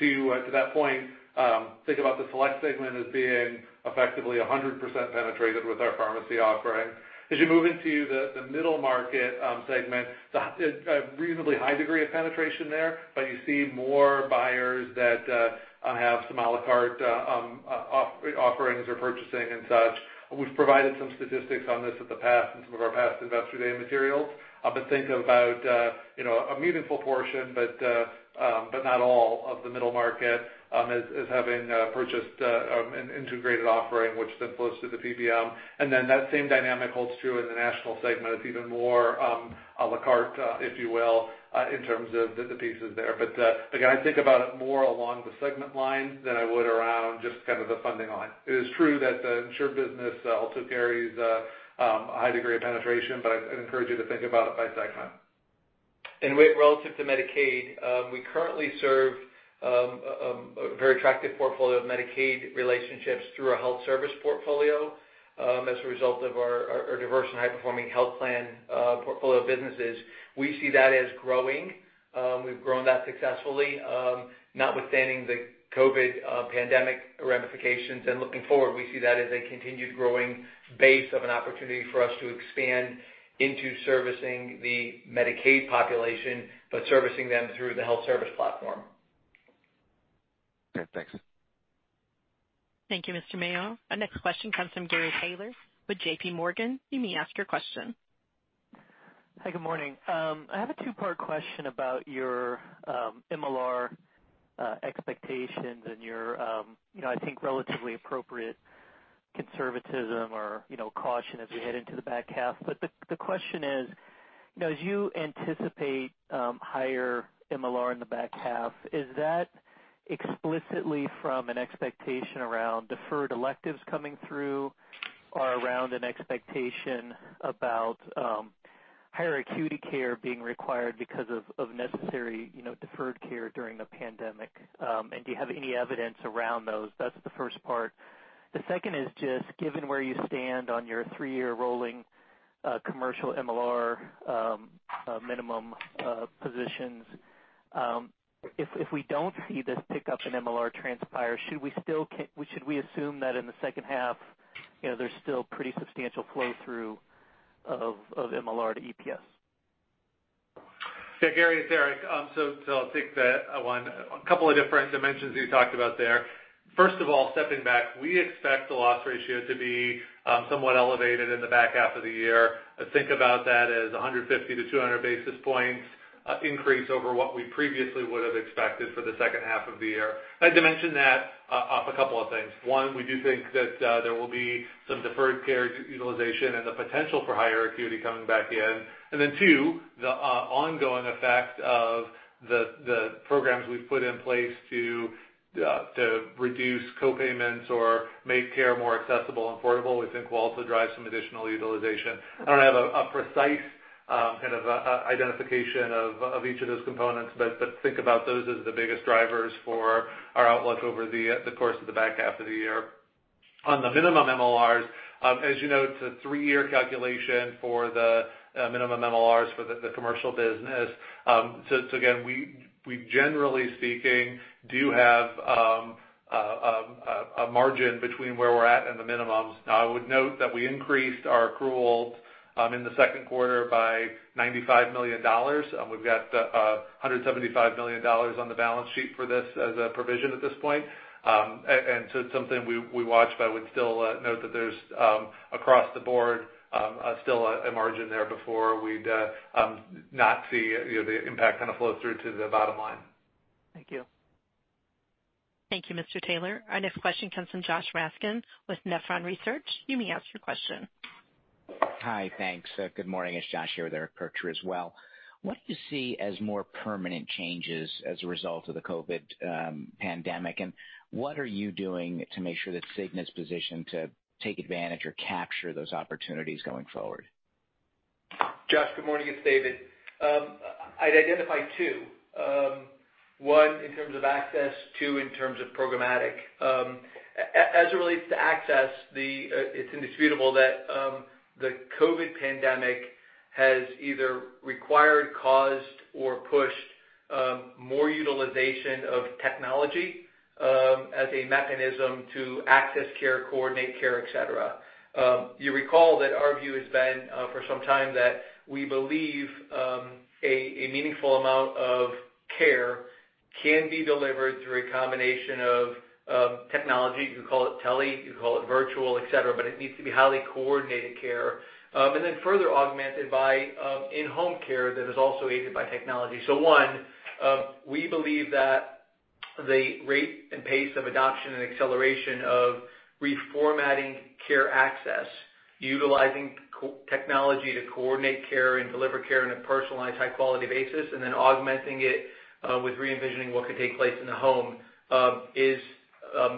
To that point, think about the select segment as being effectively 100% penetrated with our pharmacy offering. As you move into the middle market segment, a reasonably high degree of penetration there, but you see more buyers that have some a la carte offerings or purchasing and such. We've provided some statistics on this in some of our past Investor Day materials. Think about a meaningful portion, but not all of the middle market, as having purchased an integrated offering which then flows through the PBM. That same dynamic holds true in the national segment. It's even more a la carte, if you will, in terms of the pieces there. Again, I think about it more along the segment lines than I would around just kind of the funding line. It is true that the insured business also carries a high degree of penetration, but I'd encourage you to think about it by segment. Whit, relative to Medicaid, we currently serve a very attractive portfolio of Medicaid relationships through our health service portfolio, as a result of our diverse and high-performing health plan portfolio of businesses. We see that as growing. We've grown that successfully, notwithstanding the COVID-19 pandemic ramifications. Looking forward, we see that as a continued growing base of an opportunity for us to expand into servicing the Medicaid population, but servicing them through the health service platform. Okay, thanks. Thank you, Mr. Mayo. Our next question comes from Gary Taylor with JPMorgan. You may ask your question. Hi, good morning. I have a two-part question about your MLR expectations and your, I think, relatively appropriate conservatism or caution as we head into the back half. The question is, as you anticipate higher MLR in the back half, is that explicitly from an expectation around deferred electives coming through or around an expectation about higher acuity care being required because of necessary deferred care during the pandemic? Do you have any evidence around those? That's the first part. The second is just given where you stand on your three-year rolling commercial MLR minimum positions, if we don't see this pickup in MLR transpire, should we assume that in the second half, there's still pretty substantial flow-through of MLR to EPS? Yeah, Gary, it's Eric. I'll take that one. A couple of different dimensions you talked about there. First of all, stepping back, we expect the loss ratio to be somewhat elevated in the back half of the year. Think about that as 150 to 200 basis points increase over what we previously would have expected for the second half of the year. I'd like to mention a couple of things. One, we do think that there will be some deferred care utilization and the potential for higher acuity coming back in, and then two, the ongoing effect of the programs we've put in place to reduce copayments or make care more accessible and affordable, we think will also drive some additional utilization. I don't have a precise kind of identification of each of those components, but think about those as the biggest drivers for our outlook over the course of the back half of the year. On the minimum MLRs, as you know, it's a three-year calculation for the minimum MLRs for the commercial business. Again, we generally speaking, do have a margin between where we're at and the minimums. Now, I would note that we increased our accruals in the second quarter by $95 million. We've got $175 million on the balance sheet for this as a provision at this point. It's something we watch, but I would still note that there's, across the board, still a margin there before we'd not see the impact kind of flow through to the bottom line. Thank you. Thank you, Mr. Taylor. Our next question comes from Joshua Raskin with Nephron Research. You may ask your question. Hi. Thanks. Good morning. It's Josh here with Eric Percher as well. What do you see as more permanent changes as a result of the COVID-19 pandemic, and what are you doing to make sure that Cigna's positioned to take advantage or capture those opportunities going forward? Josh, good morning, it's David. I'd identify two. One, in terms of access, two, in terms of programmatic. As it relates to access, it's indisputable that the COVID pandemic has either required, caused, or pushed more utilization of technology as a mechanism to access care, coordinate care, et cetera. You recall that our view has been, for some time, that we believe a meaningful amount of care can be delivered through a combination of technology. You can call it tele, you can call it virtual, et cetera, but it needs to be highly coordinated care. Further augmented by in-home care that is also aided by technology. One, we believe that the rate and pace of adoption and acceleration of reformatting care access, utilizing technology to coordinate care and deliver care in a personalized, high-quality basis, and then augmenting it with re-envisioning what could take place in the home, is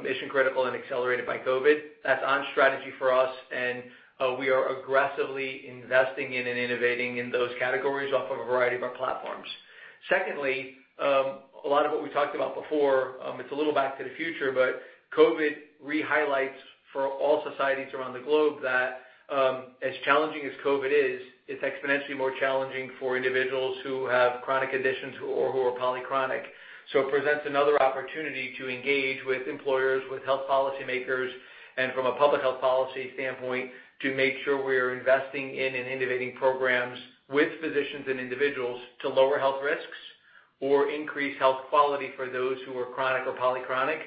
mission critical and accelerated by COVID-19. That's on strategy for us, and we are aggressively investing in and innovating in those categories off of a variety of our platforms. Secondly, a lot of what we talked about before, it's a little back to the future, but COVID-19 re-highlights for all societies around the globe that as challenging as COVID-19 is, it's exponentially more challenging for individuals who have chronic conditions or who are polychronic. It presents another opportunity to engage with employers, with health policy makers, and from a public health policy standpoint, to make sure we are investing in and innovating programs with physicians and individuals to lower health risks or increase health quality for those who are chronic or polychronic.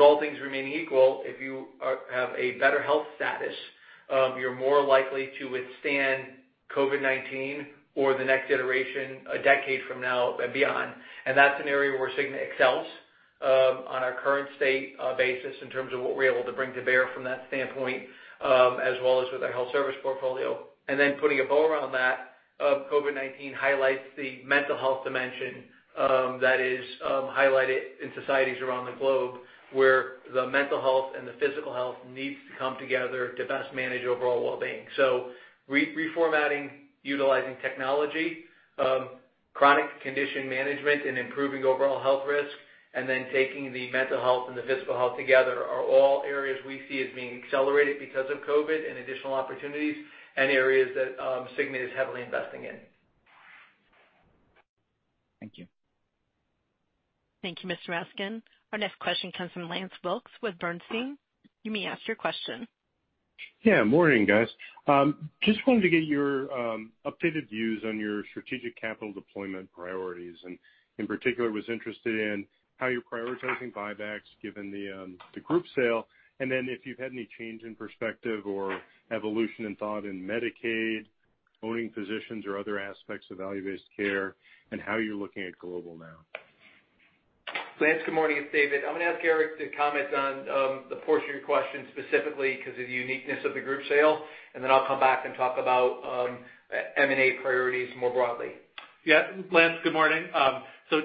All things remaining equal, if you have a better health status, you're more likely to withstand COVID-19 or the next iteration a decade from now and beyond. That's an area where Cigna excels on a current state basis in terms of what we're able to bring to bear from that standpoint, as well as with our health service portfolio. Putting a bow around that, COVID-19 highlights the mental health dimension that is highlighted in societies around the globe, where the mental health and the physical health needs to come together to best manage overall wellbeing. Reformatting, utilizing technology, chronic condition management and improving overall health risk, and then taking the mental health and the physical health together are all areas we see as being accelerated because of COVID and additional opportunities, and areas that Cigna is heavily investing in. Thank you. Thank you, Mr. Raskin. Our next question comes from Lance Wilkes with Bernstein. You may ask your question. Yeah, morning, guys. Just wanted to get your updated views on your strategic capital deployment priorities, and in particular, was interested in how you're prioritizing buybacks given the group sale, and then if you've had any change in perspective or evolution in thought in Medicaid, owning physicians or other aspects of value-based care, and how you're looking at global now. Lance, good morning. It's David. I'm going to ask Eric to comment on the portion of your question specifically because of the uniqueness of the group sale, and then I'll come back and talk about M&A priorities more broadly. Lance, good morning.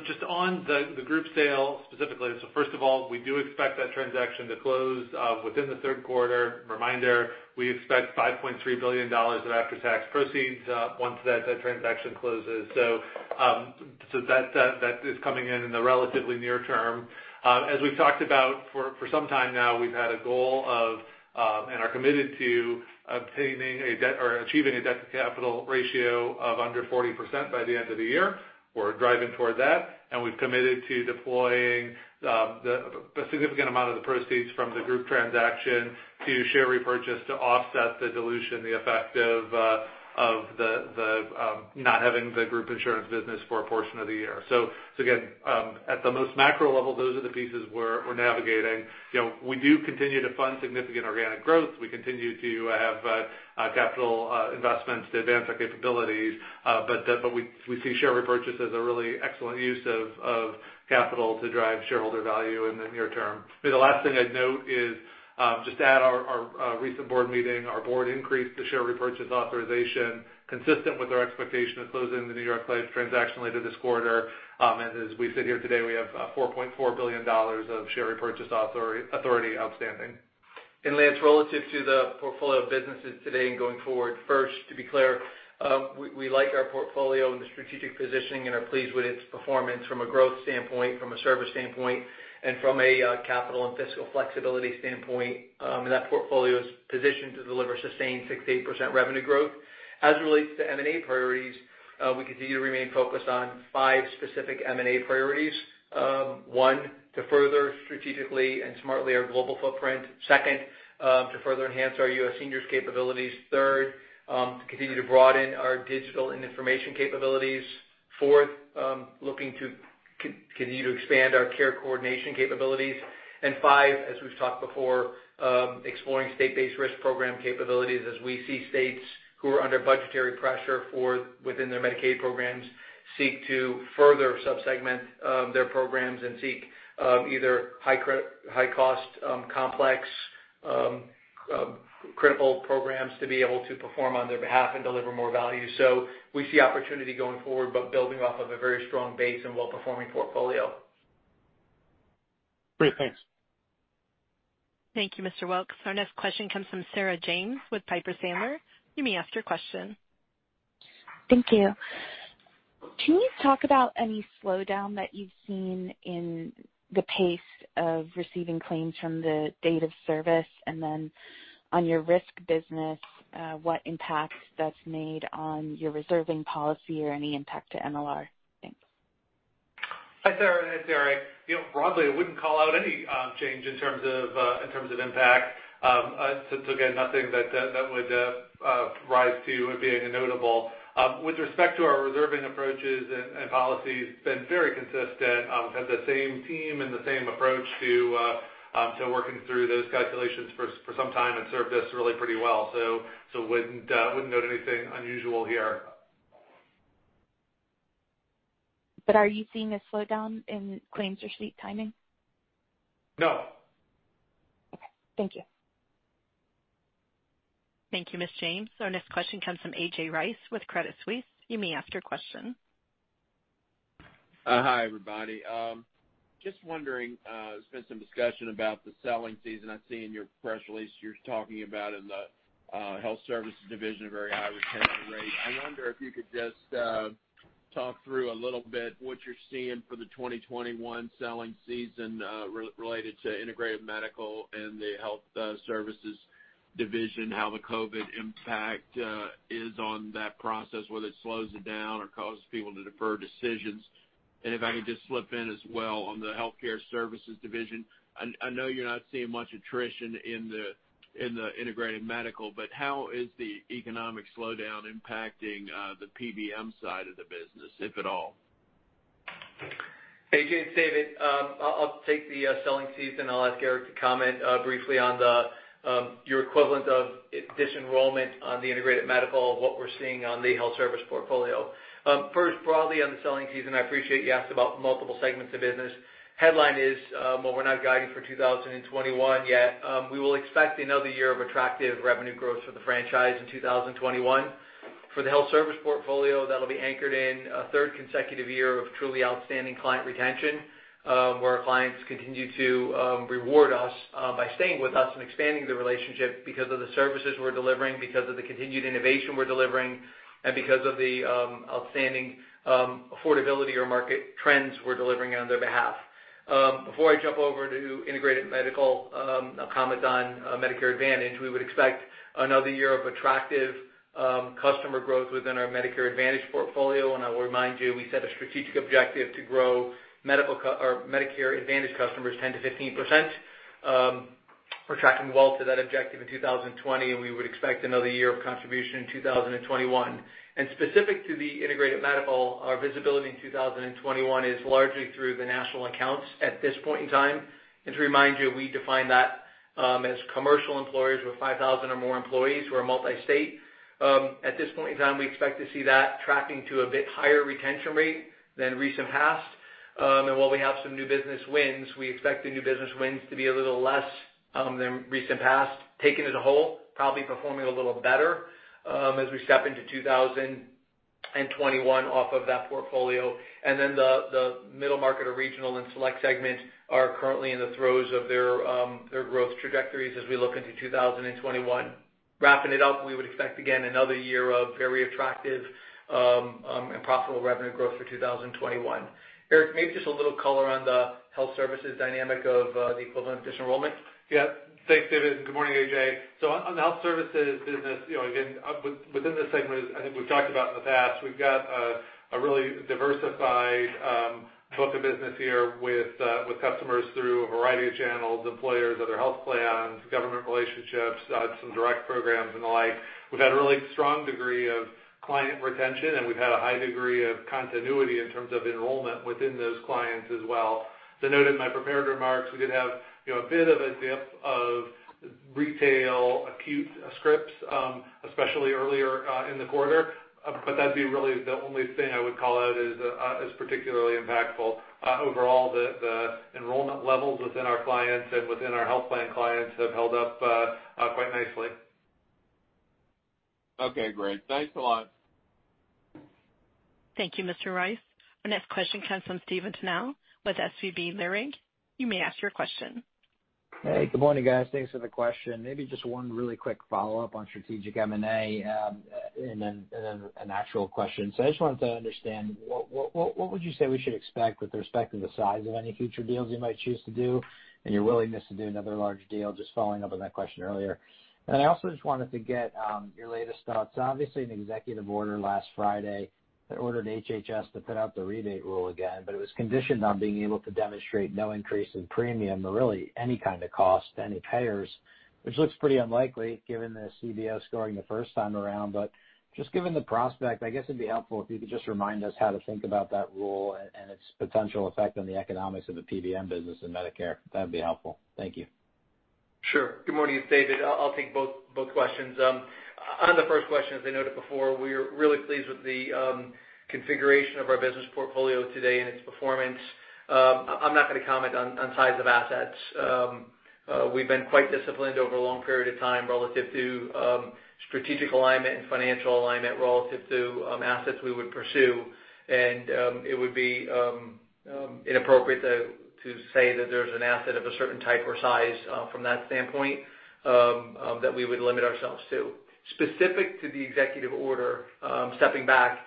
Just on the group sale specifically, first of all, we do expect that transaction to close within the third quarter. Reminder, we expect $5.3 billion of after-tax proceeds once that transaction closes. That is coming in the relatively near term. As we've talked about for some time now, we've had a goal of, and are committed to achieving a debt-to-capital ratio of under 40% by the end of the year. We're driving toward that, and we've committed to deploying a significant amount of the proceeds from the group transaction to share repurchase to offset the dilution, the effect of not having the group insurance business for a portion of the year. Again, at the most macro level, those are the pieces we're navigating. We do continue to fund significant organic growth. We continue to have capital investments to advance our capabilities. We see share repurchase as a really excellent use of capital to drive shareholder value in the near term. The last thing I'd note is just at our recent board meeting, our board increased the share repurchase authorization consistent with our expectation of closing the New York Life transaction later this quarter. As we sit here today, we have $4.4 billion of share repurchase authority outstanding. Lance, relative to the portfolio of businesses today and going forward, first, to be clear, we like our portfolio and the strategic positioning and are pleased with its performance from a growth standpoint, from a service standpoint, and from a capital and fiscal flexibility standpoint. That portfolio is positioned to deliver sustained 6%-8% revenue growth. As it relates to M&A priorities, we continue to remain focused on five specific M&A priorities. One, to further strategically and smartly our global footprint. Second, to further enhance our U.S. seniors capabilities. Third, to continue to broaden our digital and information capabilities. Fourth, looking to continue to expand our care coordination capabilities. Five, as we've talked before, exploring state-based risk program capabilities as we see states who are under budgetary pressure within their Medicaid programs seek to further sub-segment their programs and seek either high-cost, complex, critical programs to be able to perform on their behalf and deliver more value. We see opportunity going forward, but building off of a very strong base and well-performing portfolio. Great. Thanks. Thank you, Mr. Wilkes. Our next question comes from Sarah James with Piper Sandler. You may ask your question. Thank you. Can you talk about any slowdown that you've seen in the pace of receiving claims from the date of service? On your risk business, what impact that's made on your reserving policy or any impact to MLR? Thanks. Hi, Sarah. Hi, Gary. Broadly, I wouldn't call out any change in terms of impact. Again, nothing that would rise to being a notable. With respect to our reserving approaches and policies, been very consistent. We've had the same team and the same approach to working through those calculations for some time and served us really pretty well. I wouldn't note anything unusual here. Are you seeing a slowdown in claims receipt timing? No. Okay. Thank you. Thank you, Ms. James. Our next question comes from A.J. Rice with Credit Suisse. You may ask your question. Hi, everybody. Just wondering, there's been some discussion about the selling season. I see in your press release you're talking about in the Health Services division, a very high retention rate. I wonder if you could just talk through a little bit what you're seeing for the 2021 selling season, related to integrated medical and the Health Services division, how the COVID-19 impact is on that process, whether it slows it down or causes people to defer decisions. If I could just slip in as well on the Health Services division, I know you're not seeing much attrition in the integrated medical, but how is the economic slowdown impacting the PBM side of the business, if at all? A.J., it's David. I'll take the selling season. I'll ask Gary to comment briefly on your equivalent of disenrollment on the integrated medical, what we're seeing on the health service portfolio. First, broadly on the selling season, I appreciate you asked about multiple segments of business. Headline is, while we're not guiding for 2021 yet, we will expect another year of attractive revenue growth for the franchise in 2021. For the health service portfolio, that'll be anchored in a third consecutive year of truly outstanding client retention, where our clients continue to reward us by staying with us and expanding the relationship because of the services we're delivering, because of the continued innovation we're delivering, and because of the outstanding affordability or market trends we're delivering on their behalf. Before I jump over to integrated medical, I'll comment on Medicare Advantage. We would expect another year of attractive customer growth within our Medicare Advantage portfolio. I will remind you, we set a strategic objective to grow Medicare Advantage customers 10%-15%. We're tracking well to that objective in 2020. We would expect another year of contribution in 2021. Specific to the integrated medical, our visibility in 2021 is largely through the national accounts at this point in time. To remind you, we define that as commercial employers with 5,000 or more employees who are multi-state. At this point in time, we expect to see that tracking to a bit higher retention rate than recent past. While we have some new business wins, we expect the new business wins to be a little less than recent past. Taken as a whole, probably performing a little better as we step into 2021 off of that portfolio. The middle market or regional and select segments are currently in the throes of their growth trajectories as we look into 2021. Wrapping it up, we would expect, again, another year of very attractive and profitable revenue growth for 2021. Gary, maybe just a little color on the health services dynamic of the equivalent dis-enrollment. Thanks, David, and good morning, A.J. On the health services business, again, within this segment, as I think we've talked about in the past, we've got a really diversified book of business here with customers through a variety of channels, employers, other health plans, government relationships, some direct programs, and the like. We've had a really strong degree of client retention, and we've had a high degree of continuity in terms of enrollment within those clients as well. As I noted in my prepared remarks, we did have a bit of a dip of retail acute scripts, especially earlier in the quarter. That'd be really the only thing I would call out as particularly impactful. Overall, the enrollment levels within our clients and within our health plan clients have held up quite nicely. Okay, great. Thanks a lot. Thank you, Mr. Rice. Our next question comes from Stephen Tanal with SVB Leerink. You may ask your question. Hey, good morning, guys. Thanks for the question. Maybe just one really quick follow-up on strategic M&A, and then an actual question. I just wanted to understand, what would you say we should expect with respect to the size of any future deals you might choose to do, and your willingness to do another large deal? Just following up on that question earlier. I also just wanted to get your latest thoughts. Obviously, an executive order last Friday that ordered HHS to put out the rebate rule again, but it was conditioned on being able to demonstrate no increase in premium or really any kind of cost to any payers, which looks pretty unlikely given the CBO scoring the first time around. Just given the prospect, I guess it'd be helpful if you could just remind us how to think about that rule and its potential effect on the economics of the PBM business and Medicare. That'd be helpful. Thank you. Sure. Good morning, Stephen. I'll take both questions. On the first question, as I noted before, we're really pleased with the configuration of our business portfolio today and its performance. I'm not going to comment on size of assets. We've been quite disciplined over a long period of time relative to strategic alignment and financial alignment relative to assets we would pursue. It would be inappropriate to say that there's an asset of a certain type or size from that standpoint that we would limit ourselves to. Specific to the executive order, stepping back,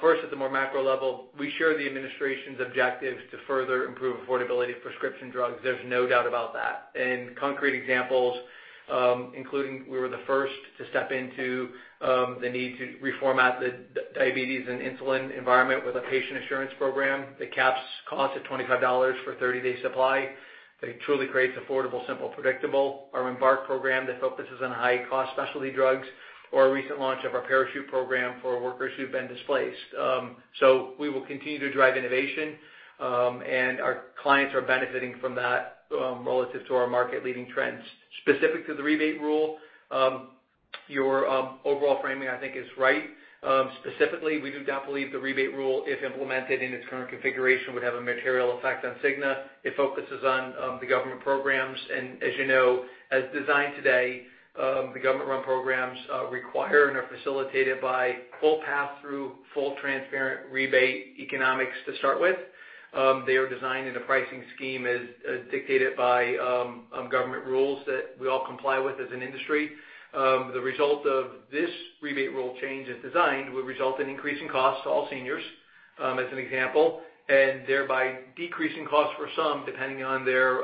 first at the more macro level, we share the administration's objectives to further improve affordability of prescription drugs. There's no doubt about that. In concrete examples, including we were the first to step into the need to reformat the diabetes and insulin environment with a patient assurance program that caps costs at $25 for a 30-day supply, that truly creates affordable, simple, predictable. Our Embarc Benefit Protection that focuses on high-cost specialty drugs, or our recent launch of our Parachute Rx for workers who've been displaced. We will continue to drive innovation, and our clients are benefiting from that relative to our market-leading trends. Specific to the rebate rule, your overall framing, I think, is right. Specifically, we do not believe the rebate rule, if implemented in its current configuration, would have a material effect on Cigna. It focuses on the government programs. As you know, as designed today, the government-run programs require and are facilitated by full pass-through, full transparent rebate economics to start with. They are designed in a pricing scheme as dictated by government rules that we all comply with as an industry. The result of this rebate rule change, as designed, would result in increasing costs to all seniors, as an example, and thereby decreasing costs for some, depending on their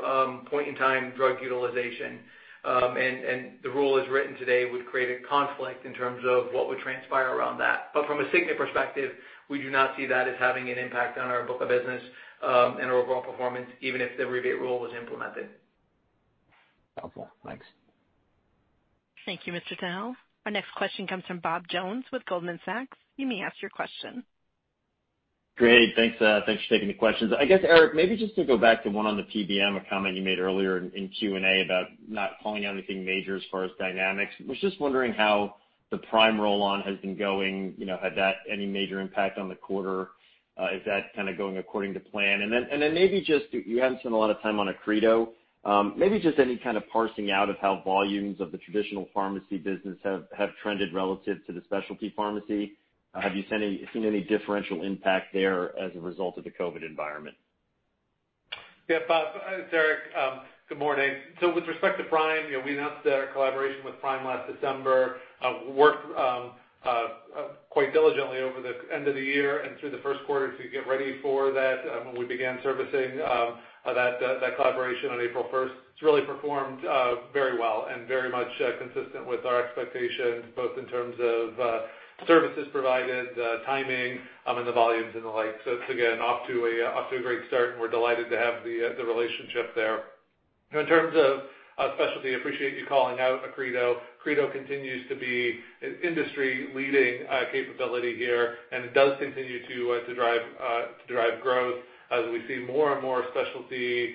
point-in-time drug utilization. The rule as written today would create a conflict in terms of what would transpire around that. From a Cigna perspective, we do not see that as having an impact on our book of business and our overall performance, even if the rebate rule was implemented. helpful. Thanks. Thank you, Mr. Tanal. Our next question comes from Robert Jones with Goldman Sachs. You may ask your question. Great. Thanks for taking the questions. I guess, Eric, maybe just to go back to one on the PBM, a comment you made earlier in Q&A about not calling out anything major as far as dynamics. Was just wondering how the Prime roll-on has been going. Had that any major impact on the quarter? Is that kind of going according to plan? Maybe just, you haven't spent a lot of time on Accredo. Maybe just any kind of parsing out of how volumes of the traditional pharmacy business have trended relative to the specialty pharmacy. Have you seen any differential impact there as a result of the COVID environment? Yeah, Bob. It's Eric. Good morning. With respect to Prime, we announced our collaboration with Prime last December. Worked quite diligently over the end of the year and through the first quarter to get ready for that, when we began servicing that collaboration on April 1st. It's really performed very well and very much consistent with our expectations, both in terms of services provided, timing, and the volumes and the like. It's again, off to a great start, and we're delighted to have the relationship there. In terms of specialty, appreciate you calling out Accredo. Accredo continues to be an industry-leading capability here, and it does continue to drive growth as we see more and more specialty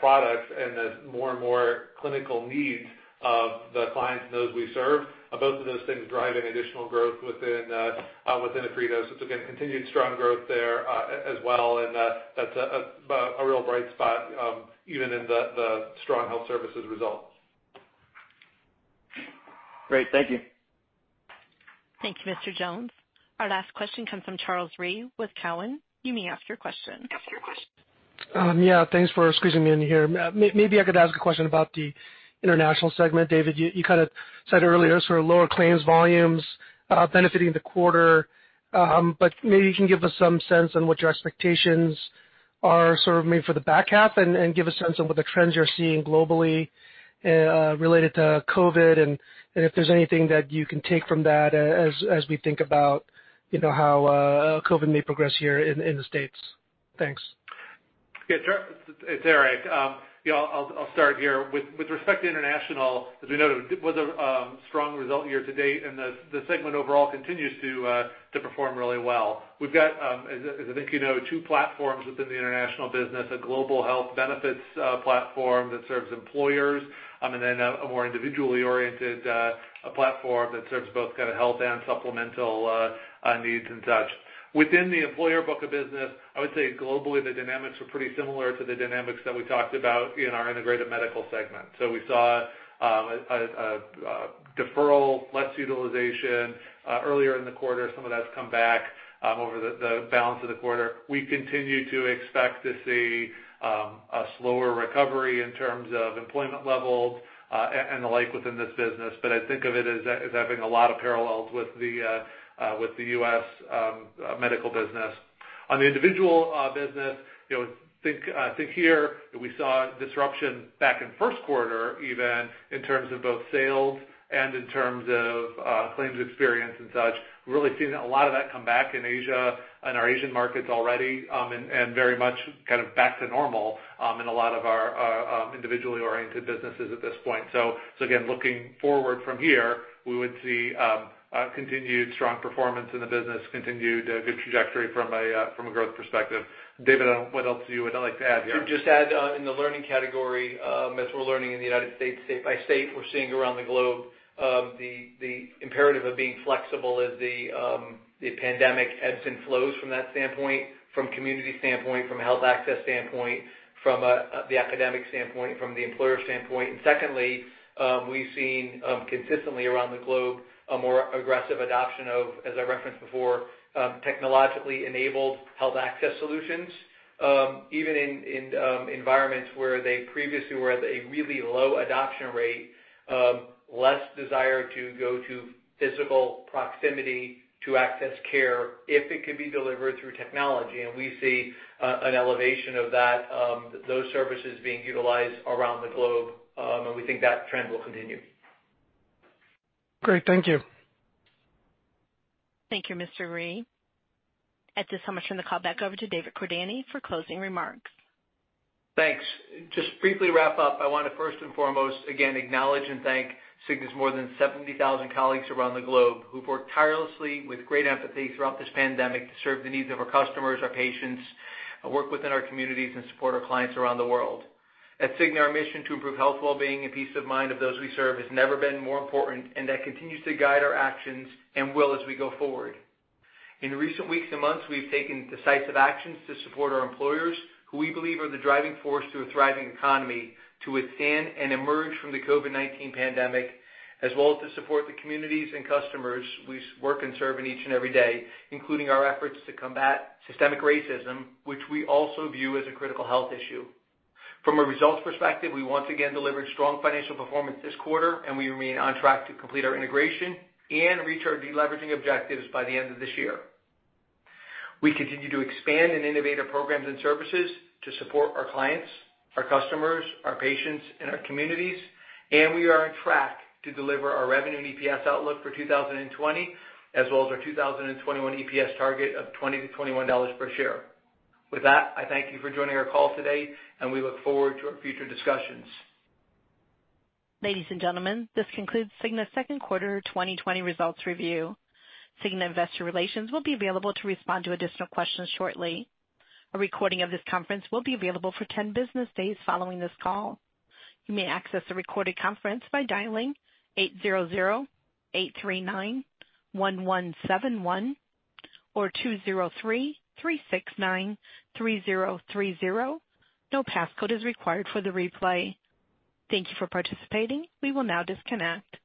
products and the more and more clinical needs of the clients and those we serve, both of those things driving additional growth within Accredo. It's, again, continued strong growth there as well, and that's a real bright spot even in the strong health services results. Great. Thank you. Thank you, Mr. Jones. Our last question comes from Charles Rhyee with Cowen. You may ask your question. Yeah. Thanks for squeezing me in here. Maybe I could ask a question about the international segment. David, you kind of said earlier sort of lower claims volumes benefiting the quarter. Maybe you can give us some sense on what your expectations are sort of maybe for the back half and give a sense of what the trends you're seeing globally related to COVID-19 and if there's anything that you can take from that as we think about how COVID-19 may progress here in the U.S. Thanks. Yeah, Charles, it's Eric. I'll start here. With respect to international, as we noted, it was a Strong result year-to-date. The segment overall continues to perform really well. We've got, as I think you know, two platforms within the international business, a global health benefits platform that serves employers, and then a more individually oriented platform that serves both health and supplemental needs and such. Within the employer book of business, I would say globally, the dynamics were pretty similar to the dynamics that we talked about in our integrated medical segment. We saw a deferral, less utilization earlier in the quarter. Some of that's come back over the balance of the quarter. We continue to expect to see a slower recovery in terms of employment levels, and the like within this business. I think of it as having a lot of parallels with the U.S. medical business. On the individual business, I think here we saw disruption back in first quarter even in terms of both sales and in terms of claims experience and such. We're really seeing a lot of that come back in Asia, in our Asian markets already, and very much back to normal in a lot of our individually oriented businesses at this point. Again, looking forward from here, we would see continued strong performance in the business, continued good trajectory from a growth perspective. David, what else would you like to add here? To just add, in the learning category, as we're learning in the U.S., state by state, we're seeing around the globe the imperative of being flexible as the pandemic ebbs and flows from that standpoint, from community standpoint, from a health access standpoint, from the academic standpoint, from the employer standpoint. Secondly, we've seen consistently around the globe a more aggressive adoption of, as I referenced before, technologically enabled health access solutions, even in environments where they previously were at a really low adoption rate, less desire to go to physical proximity to access care if it could be delivered through technology. We see an elevation of those services being utilized around the globe, and we think that trend will continue. Great. Thank you. Thank you, Mr. Rhyee. At this time, I'll turn the call back over to David Cordani for closing remarks. Thanks. Just briefly wrap up, I want to first and foremost again acknowledge and thank Cigna's more than 70,000 colleagues around the globe who've worked tirelessly with great empathy throughout this pandemic to serve the needs of our customers, our patients, work within our communities, and support our clients around the world. At Cigna, our mission to improve health wellbeing and peace of mind of those we serve has never been more important, and that continues to guide our actions and will as we go forward. In recent weeks and months, we've taken decisive actions to support our employers, who we believe are the driving force to a thriving economy, to withstand and emerge from the COVID-19 pandemic, as well as to support the communities and customers we work and serve in each and every day, including our efforts to combat systemic racism, which we also view as a critical health issue. From a results perspective, we once again delivered strong financial performance this quarter. We remain on track to complete our integration and reach our de-leveraging objectives by the end of this year. We continue to expand and innovate our programs and services to support our clients, our customers, our patients, and our communities. We are on track to deliver our revenue and EPS outlook for 2020, as well as our 2021 EPS target of $20-$21 per share. With that, I thank you for joining our call today, and we look forward to our future discussions. Ladies and gentlemen, this concludes Cigna's second quarter 2020 results review. Cigna Investor Relations will be available to respond to additional questions shortly. A recording of this conference will be available for 10 business days following this call. You may access the recorded conference by dialing 800-839-1171 or 203-369-3030. No passcode is required for the replay. Thank you for participating. We will now disconnect.